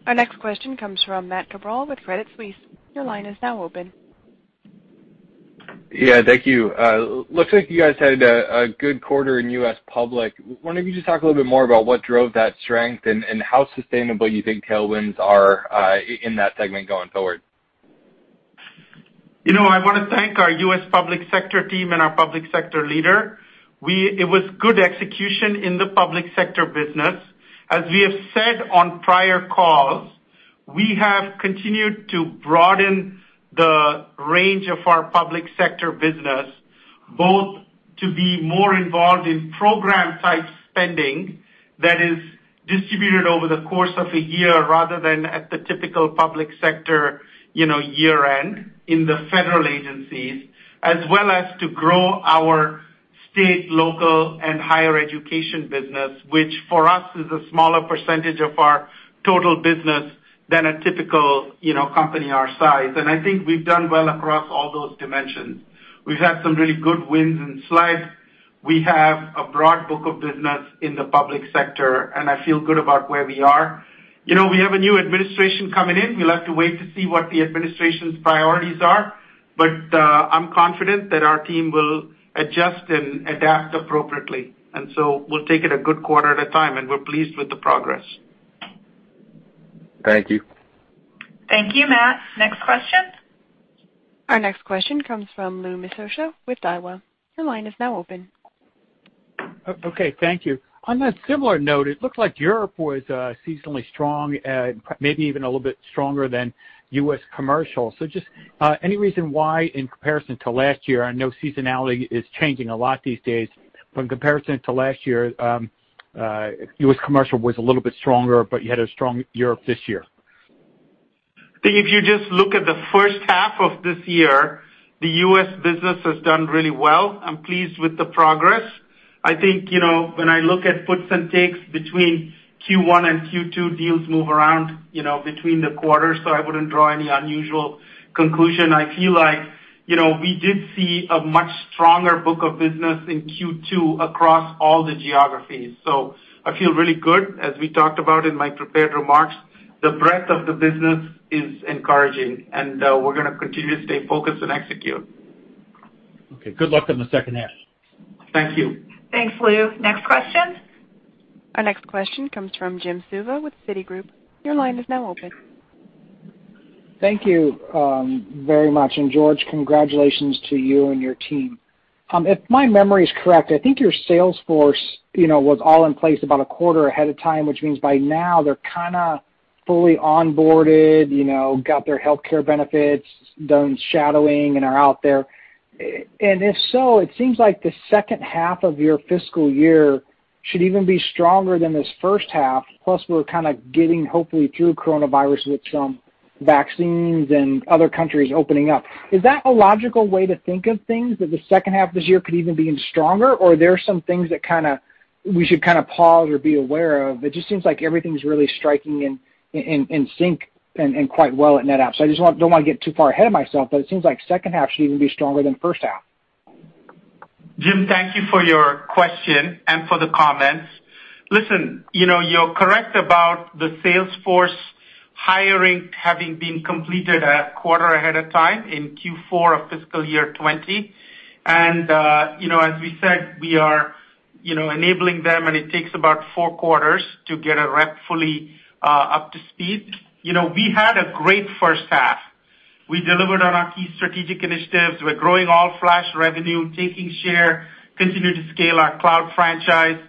Our next question comes from Matt Cabral with Credit Suisse. Your line is now open. Yeah. Thank you. Looks like you guys had a good quarter in U.S. public. Wanted you to talk a little bit more about what drove that strength and how sustainable you think tailwinds are in that segment going forward. I want to thank our U.S. public sector team and our public sector leader. It was good execution in the public sector business. As we have said on prior calls, we have continued to broaden the range of our public sector business, both to be more involved in program-type spending that is distributed over the course of a year rather than at the typical public sector year-end in the federal agencies, as well as to grow our state, local, and higher education business, which for us is a smaller percentage of our total business than a typical company our size. I think we've done well across all those dimensions. We've had some really good wins in SLIDE. We have a broad book of business in the public sector, and I feel good about where we are. We have a new administration coming in. We'll have to wait to see what the administration's priorities are, but I'm confident that our team will adjust and adapt appropriately. We'll take it a good quarter at a time, and we're pleased with the progress. Thank you. Thank you, Matt. Next question. Our next question comes from Lou Miscioscia with Daiwa. Your line is now open. Thank you. On a similar note, it looked like Europe was seasonally strong, maybe even a little bit stronger than US commercial. Just any reason why in comparison to last year? I know seasonality is changing a lot these days. In comparison to last year, US commercial was a little bit stronger, but you had a strong Europe this year. I think if you just look at the first half of this year, the US business has done really well. I'm pleased with the progress. I think when I look at puts and takes between Q1 and Q2, deals move around between the quarters, so I wouldn't draw any unusual conclusion. I feel like we did see a much stronger book of business in Q2 across all the geographies. I feel really good, as we talked about in my prepared remarks. The breadth of the business is encouraging, and we're going to continue to stay focused and execute. Okay. Good luck in the second half. Thank you. Thanks, Lou. Next question. Our next question comes from Jim Suva with Citigroup. Your line is now open. Thank you very much. George, congratulations to you and your team. If my memory is correct, I think your Salesforce was all in place about a quarter ahead of time, which means by now they're kind of fully onboarded, got their healthcare benefits, done shadowing, and are out there. If so, it seems like the second half of your fiscal year should even be stronger than this first half. Plus, we're kind of getting hopefully through coronavirus with some vaccines and other countries opening up. Is that a logical way to think of things, that the second half of this year could even be even stronger, or are there some things that kind of we should kind of pause or be aware of? It just seems like everything's really striking in sync and quite well at NetApp. I do not want to get too far ahead of myself, but it seems like second half should even be stronger than first half. Jim, thank you for your question and for the comments. Listen, you are correct about the Salesforce hiring having been completed a quarter ahead of time in Q4 of fiscal year 2020. And as we said, we are enabling them, and it takes about four quarters to get a rep fully up to speed. We had a great first half. We delivered on our key strategic initiatives. We are growing all-flash revenue, taking share, continue to scale our cloud franchise.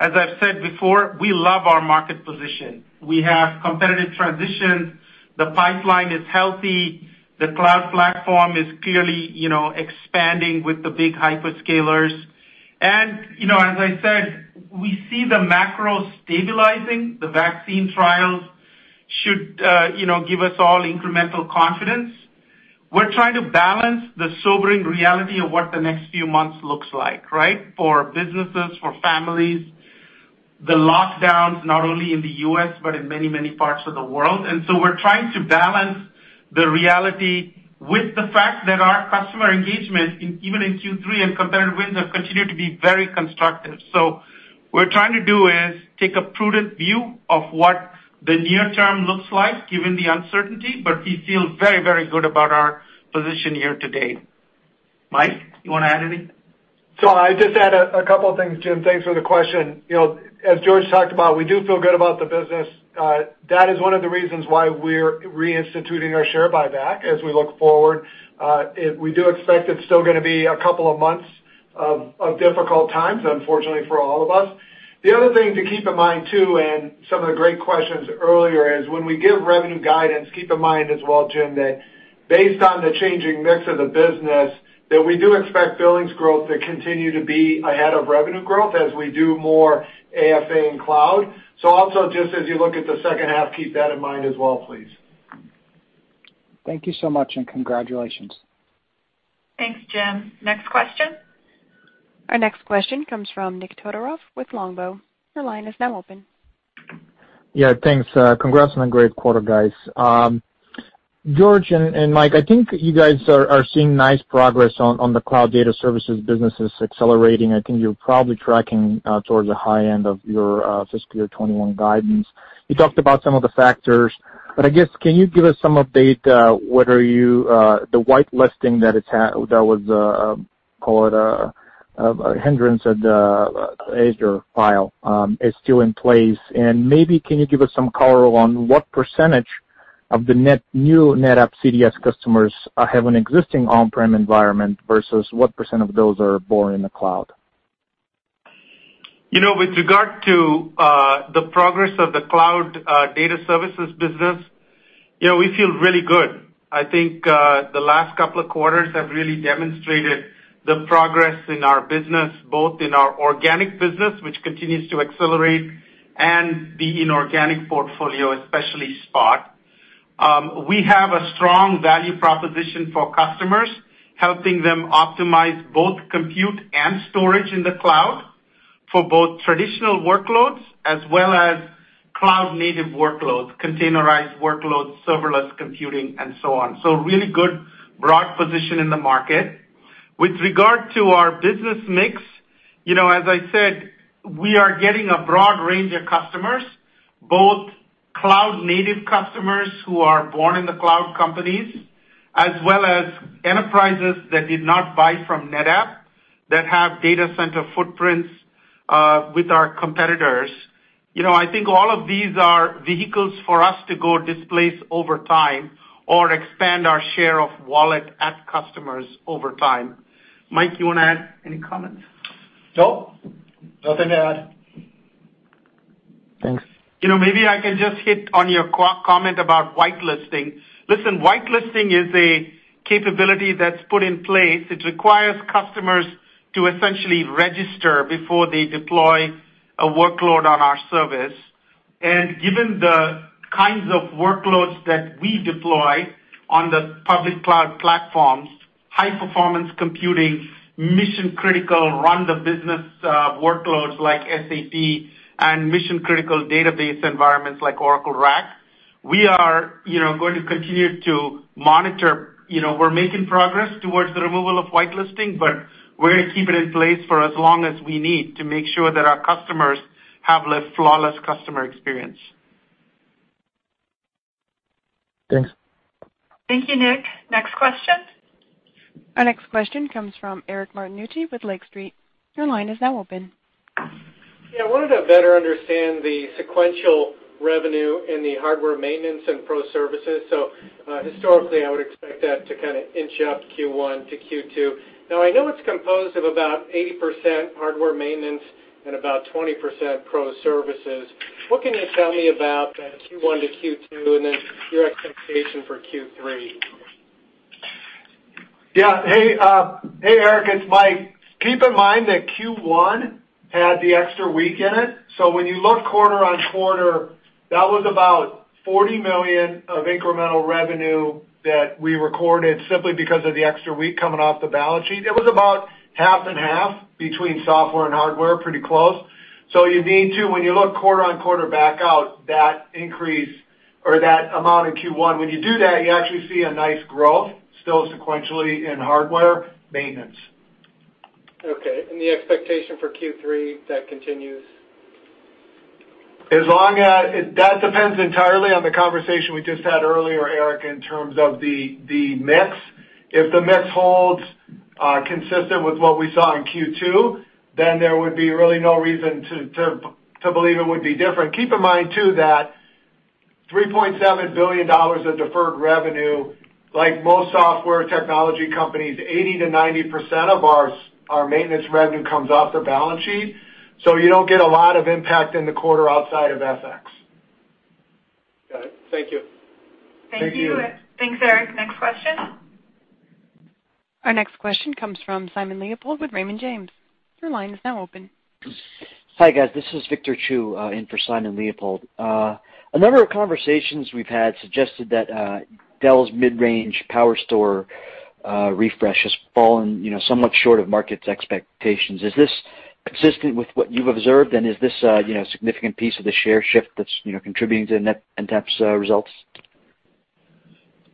As I have said before, we love our market position. We have competitive transitions. The pipeline is healthy. The cloud platform is clearly expanding with the big hyperscalers. As I said, we see the macro stabilizing. The vaccine trials should give us all incremental confidence. We're trying to balance the sobering reality of what the next few months looks like, right, for businesses, for families, the lockdowns not only in the U.S. but in many, many parts of the world. We're trying to balance the reality with the fact that our customer engagement, even in Q3 and competitive wins, have continued to be very constructive. What we're trying to do is take a prudent view of what the near term looks like given the uncertainty, but we feel very, very good about our position here today. Mike, you want to add anything? I just add a couple of things, Jim. Thanks for the question. As George talked about, we do feel good about the business. That is one of the reasons why we're reinstituting our share buyback as we look forward. We do expect it's still going to be a couple of months of difficult times, unfortunately for all of us. The other thing to keep in mind too, and some of the great questions earlier, is when we give revenue guidance, keep in mind as well, Jim, that based on the changing mix of the business, that we do expect billings growth to continue to be ahead of revenue growth as we do more AFA and cloud. Also, just as you look at the second half, keep that in mind as well, please. Thank you so much and congratulations. Thanks, Jim. Next question. Our next question comes from Nik Todorov with Longbow. Your line is now open. Yeah. Thanks. Congrats on a great quarter, guys. George and Mike, I think you guys are seeing nice progress on the cloud data services businesses accelerating. I think you're probably tracking towards the high end of your fiscal year 2021 guidance. You talked about some of the factors, but I guess can you give us some update? What are you, the white listing that was called a hindrance at the Azure file, is still in place. Maybe can you give us some color on what percentage of the new NetApp CDS customers have an existing on-prem environment versus what percent of those are born in the cloud? With regard to the progress of the cloud data services business, we feel really good. I think the last couple of quarters have really demonstrated the progress in our business, both in our organic business, which continues to accelerate, and the inorganic portfolio, especially Spot. We have a strong value proposition for customers, helping them optimize both compute and storage in the cloud for both traditional workloads as well as cloud-native workloads, containerized workloads, serverless computing, and so on. Really good broad position in the market. With regard to our business mix, as I said, we are getting a broad range of customers, both cloud-native customers who are born in the cloud companies as well as enterprises that did not buy from NetApp that have data center footprints with our competitors. I think all of these are vehicles for us to go displace over time or expand our share of wallet at customers over time. Mike, you want to add any comments? Nothing to add. Thanks. Maybe I can just hit on your comment about whitelisting. Listen, whitelisting is a capability that's put in place. It requires customers to essentially register before they deploy a workload on our service. Given the kinds of workloads that we deploy on the public cloud platforms, high-performance computing, mission-critical run-of-the-business workloads like SAP and mission-critical database environments like Oracle RAC, we are going to continue to monitor. We are making progress towards the removal of whitelisting, but we are going to keep it in place for as long as we need to make sure that our customers have a flawless customer experience. Thanks. Thank you, Nik. Next question. Our next question comes from Eric Martinuzzi with Lake Street. Your line is now open. Yeah. I wanted to better understand the sequential revenue in the hardware maintenance and pro services. Historically, I would expect that to kind of inch up Q1 to Q2. Now, I know it is composed of about 80% hardware maintenance and about 20% pro services. What can you tell me about Q1 to Q2 and then your expectation for Q3? Yeah. Hey, Eric, it's Mike. Keep in mind that Q1 had the extra week in it. When you look quarter on quarter, that was about $40 million of incremental revenue that we recorded simply because of the extra week coming off the balance sheet. It was about half and half between software and hardware, pretty close. You need to, when you look quarter on quarter, back out that increase or that amount in Q1. When you do that, you actually see a nice growth still sequentially in hardware maintenance. Okay. The expectation for Q3, that continues? That depends entirely on the conversation we just had earlier, Eric, in terms of the mix. If the mix holds consistent with what we saw in Q2, then there would be really no reason to believe it would be different. Keep in mind too that $3.7 billion of deferred revenue, like most software technology companies, 80-90% of our maintenance revenue comes off the balance sheet. So you don't get a lot of impact in the quarter outside of FX. Got it. Thank you. Thank you. Thank you, Eric. Thanks, Eric. Next question. Our next question comes from Simon Leopold with Raymond James. Your line is now open. Hi, guys. This is Victor Chiu in for Simon Leopold. A number of conversations we've had suggested that Dell's mid-range PowerStore refresh has fallen somewhat short of market expectations. Is this consistent with what you've observed, and is this a significant piece of the share shift that's contributing to NetApp's results?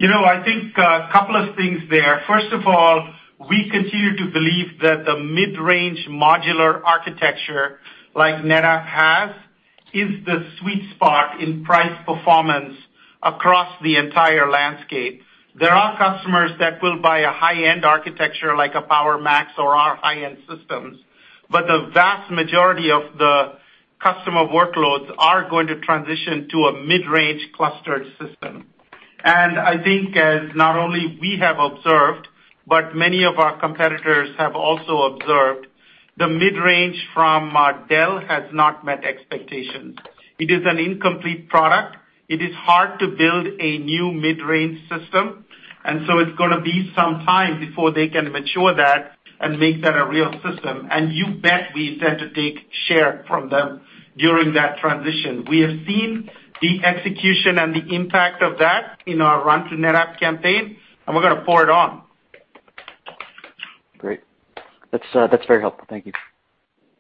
I think a couple of things there. First of all, we continue to believe that the mid-range modular architecture like NetApp has is the sweet spot in price performance across the entire landscape. There are customers that will buy a high-end architecture like a PowerMax or our high-end systems, but the vast majority of the customer workloads are going to transition to a mid-range clustered system. I think as not only we have observed, but many of our competitors have also observed, the mid-range from Dell has not met expectations. It is an incomplete product. It is hard to build a new mid-range system, and so it's going to be some time before they can mature that and make that a real system. You bet we intend to take share from them during that transition. We have seen the execution and the impact of that in our run-through NetApp campaign, and we're going to pour it on. Great. That's very helpful. Thank you.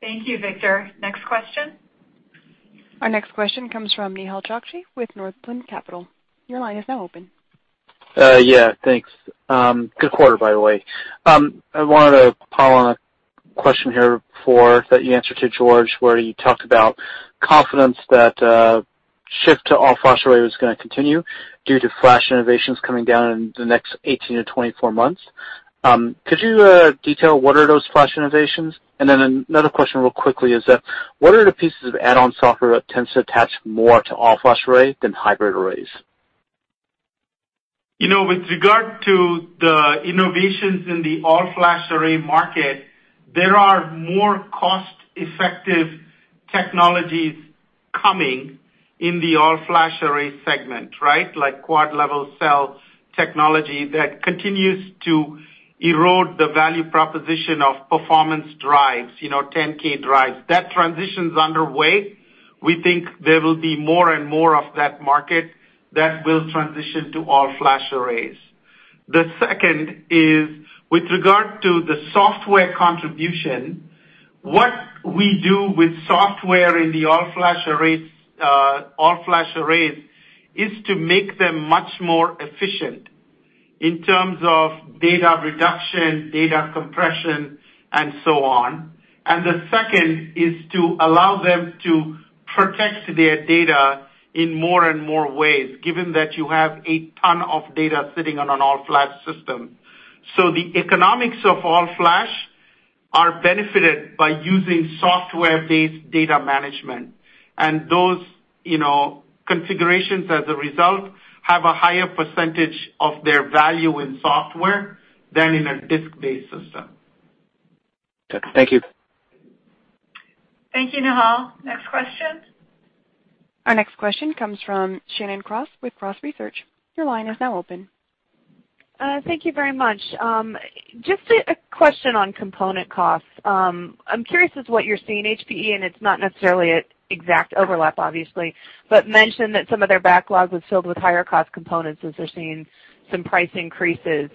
Thank you, Victor. Next question. Our next question comes from Nehal Chokshi with Northland Capital. Your line is now open. Yeah. Thanks. Good quarter, by the way. I wanted to pile on a question here that you answered to George where you talked about confidence that shift to all-flash array was going to continue due to flash innovations coming down in the next 18 to 24 months. Could you detail what are those flash innovations? And then another question real quickly is that what are the pieces of add-on software that tends to attach more to all-flash array than hybrid arrays? With regard to the innovations in the all-flash array market, there are more cost-effective technologies coming in the all-flash array segment, right, like quad-level cell technology that continues to erode the value proposition of performance drives, 10K drives. That transition's underway. We think there will be more and more of that market that will transition to all-flash arrays. The second is with regard to the software contribution. What we do with software in the all-flash arrays is to make them much more efficient in terms of data reduction, data compression, and so on. The second is to allow them to protect their data in more and more ways given that you have a ton of data sitting on an all-flash system. The economics of all-flash are benefited by using software-based data management. Those configurations as a result have a higher percentage of their value in software than in a disk-based system. Thank you. Thank you, Nehal. Next question. Our next question comes from Shannon Cross with Cross Research. Your line is now open. Thank you very much. Just a question on component costs. I'm curious as to what you're seeing. HPE, and it's not necessarily an exact overlap, obviously, but mentioned that some of their backlog was filled with higher-cost components as they're seeing some price increases.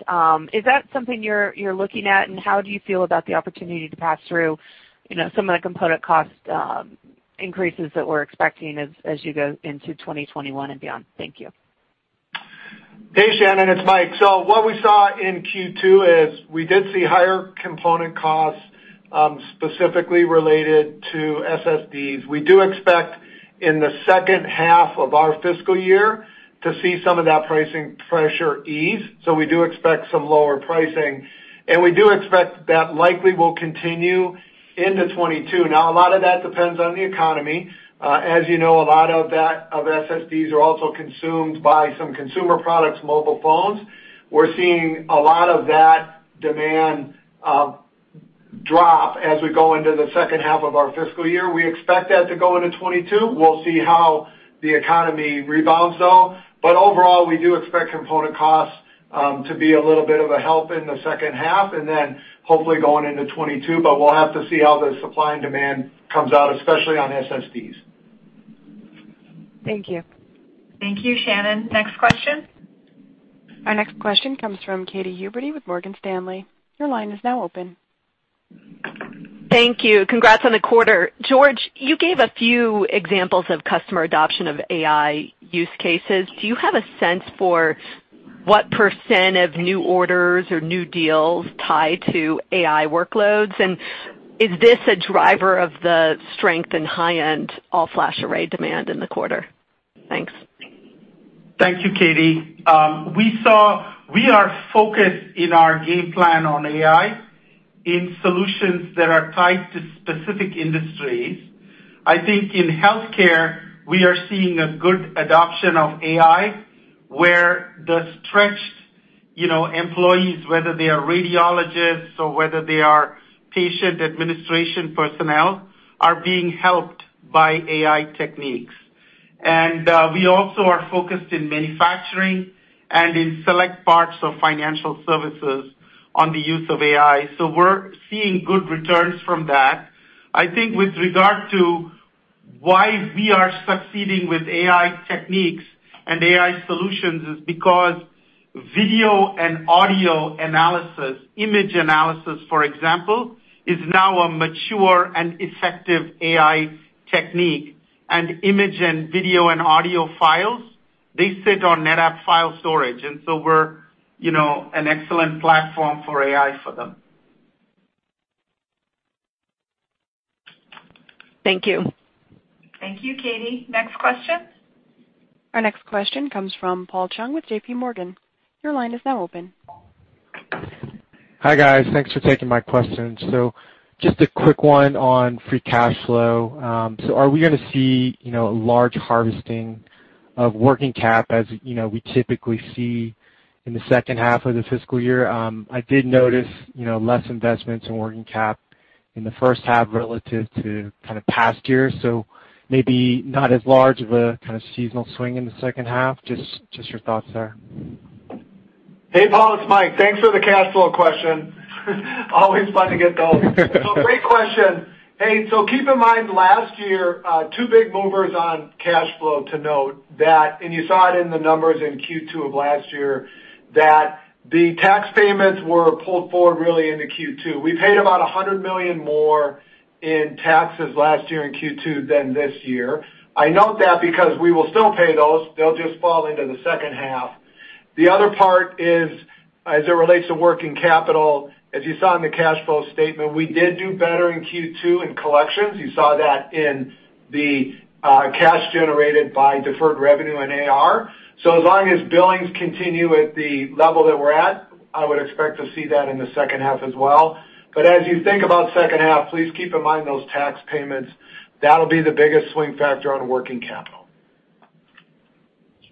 Is that something you're looking at, and how do you feel about the opportunity to pass through some of the component cost increases that we're expecting as you go into 2021 and beyond? Thank you. Hey, Shannon. It's Mike. What we saw in Q2 is we did see higher component costs specifically related to SSDs. We do expect in the second half of our fiscal year to see some of that pricing pressure ease. We do expect some lower pricing. We do expect that likely will continue into 2022. Now, a lot of that depends on the economy. As you know, a lot of that of SSDs are also consumed by some consumer products, mobile phones. We're seeing a lot of that demand drop as we go into the second half of our fiscal year. We expect that to go into 2022. We'll see how the economy rebounds, though. Overall, we do expect component costs to be a little bit of a help in the second half and then hopefully going into 2022. We'll have to see how the supply and demand comes out, especially on SSDs. Thank you. Thank you, Shannon. Next question. Our next question comes from Katy Huberty with Morgan Stanley. Your line is now open. Thank you. Congrats on the quarter. George, you gave a few examples of customer adoption of AI use cases. Do you have a sense for what % of new orders or new deals tie to AI workloads, and is this a driver of the strength in high-end all-flash array demand in the quarter? Thanks. Thank you, Katy. We are focused in our game plan on AI in solutions that are tied to specific industries. I think in healthcare, we are seeing a good adoption of AI where the stretched employees, whether they are radiologists or whether they are patient administration personnel, are being helped by AI techniques. We also are focused in manufacturing and in select parts of financial services on the use of AI. We are seeing good returns from that. I think with regard to why we are succeeding with AI techniques and AI solutions is because video and audio analysis, image analysis, for example, is now a mature and effective AI technique. And image and video and audio files, they sit on NetApp file storage. And so we're an excellent platform for AI for them. Thank you. Thank you, Katy. Next question. Our next question comes from Paul Chung with J.P. Morgan. Your line is now open. Hi, guys. Thanks for taking my question. Just a quick one on free cash flow. Are we going to see a large harvesting of working cap as we typically see in the second half of the fiscal year? I did notice less investments in working cap in the first half relative to kind of past year. Maybe not as large of a kind of seasonal swing in the second half. Just your thoughts there. Hey, Paul. It's Mike. Thanks for the cash flow question. Always fun to get those. Great question. Keep in mind last year, two big movers on cash flow to note that, and you saw it in the numbers in Q2 of last year, that the tax payments were pulled forward really into Q2. We paid about $100 million more in taxes last year in Q2 than this year. I note that because we will still pay those. They'll just fall into the second half. The other part is as it relates to working capital. As you saw in the cash flow statement, we did do better in Q2 in collections. You saw that in the cash generated by deferred revenue and AR. As long as billings continue at the level that we're at, I would expect to see that in the second half as well. As you think about second half, please keep in mind those tax payments. That'll be the biggest swing factor on working capital.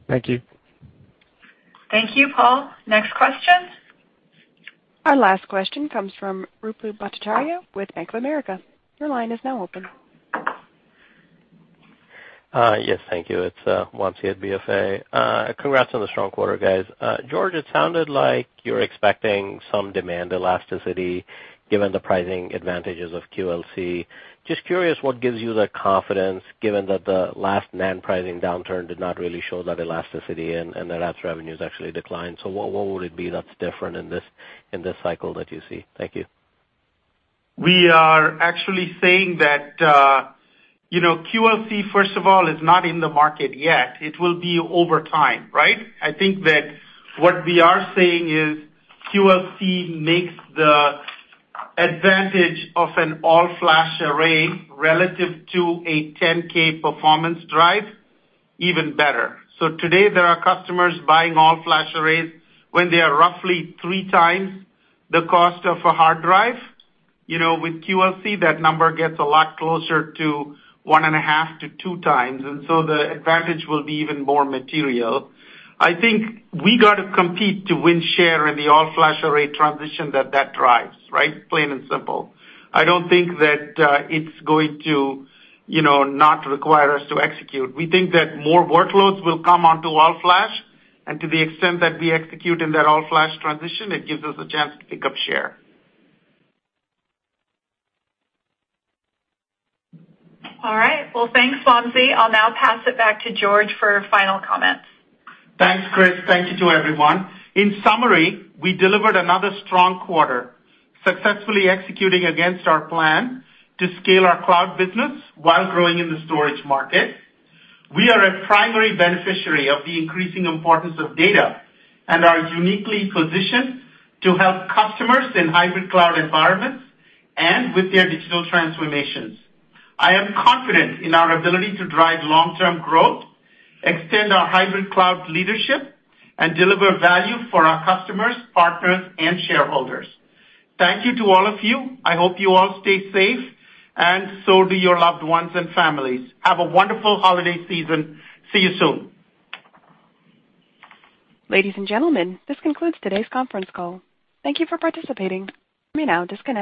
Thank you. Thank you, Paul. Next question. Our last question comes from Rupert Bhattacharya with Bank of America. Your line is now open. Yes. Thank you. It's Wamsi at Bank of America. Congrats on the strong quarter, guys. George, it sounded like you're expecting some demand elasticity given the pricing advantages of QLC. Just curious what gives you the confidence given that the last non-pricing downturn did not really show that elasticity and NetApp's revenues actually declined. What would it be that's different in this cycle that you see? Thank you. We are actually saying that QLC, first of all, is not in the market yet. It will be over time, right? I think that what we are saying is QLC makes the advantage of an all-flash array relative to a 10K performance drive even better. Today, there are customers buying all-flash arrays when they are roughly three times the cost of a hard drive. With QLC, that number gets a lot closer to one and a half to two times. The advantage will be even more material. I think we got to compete to win share in the all-flash array transition that that drives, right? Plain and simple. I do not think that it is going to not require us to execute. We think that more workloads will come onto all-flash. To the extent that we execute in that all-flash transition, it gives us a chance to pick up share. All right. Thanks, Wamsi. I'll now pass it back to George for final comments. Thanks, Kris. Thank you to everyone. In summary, we delivered another strong quarter, successfully executing against our plan to scale our cloud business while growing in the storage market. We are a primary beneficiary of the increasing importance of data and are uniquely positioned to help customers in hybrid cloud environments and with their digital transformations. I am confident in our ability to drive long-term growth, extend our hybrid cloud leadership, and deliver value for our customers, partners, and shareholders. Thank you to all of you. I hope you all stay safe, and so do your loved ones and families. Have a wonderful holiday season. See you soon. Ladies and gentlemen, this concludes today's conference call. Thank you for participating. You may now disconnect.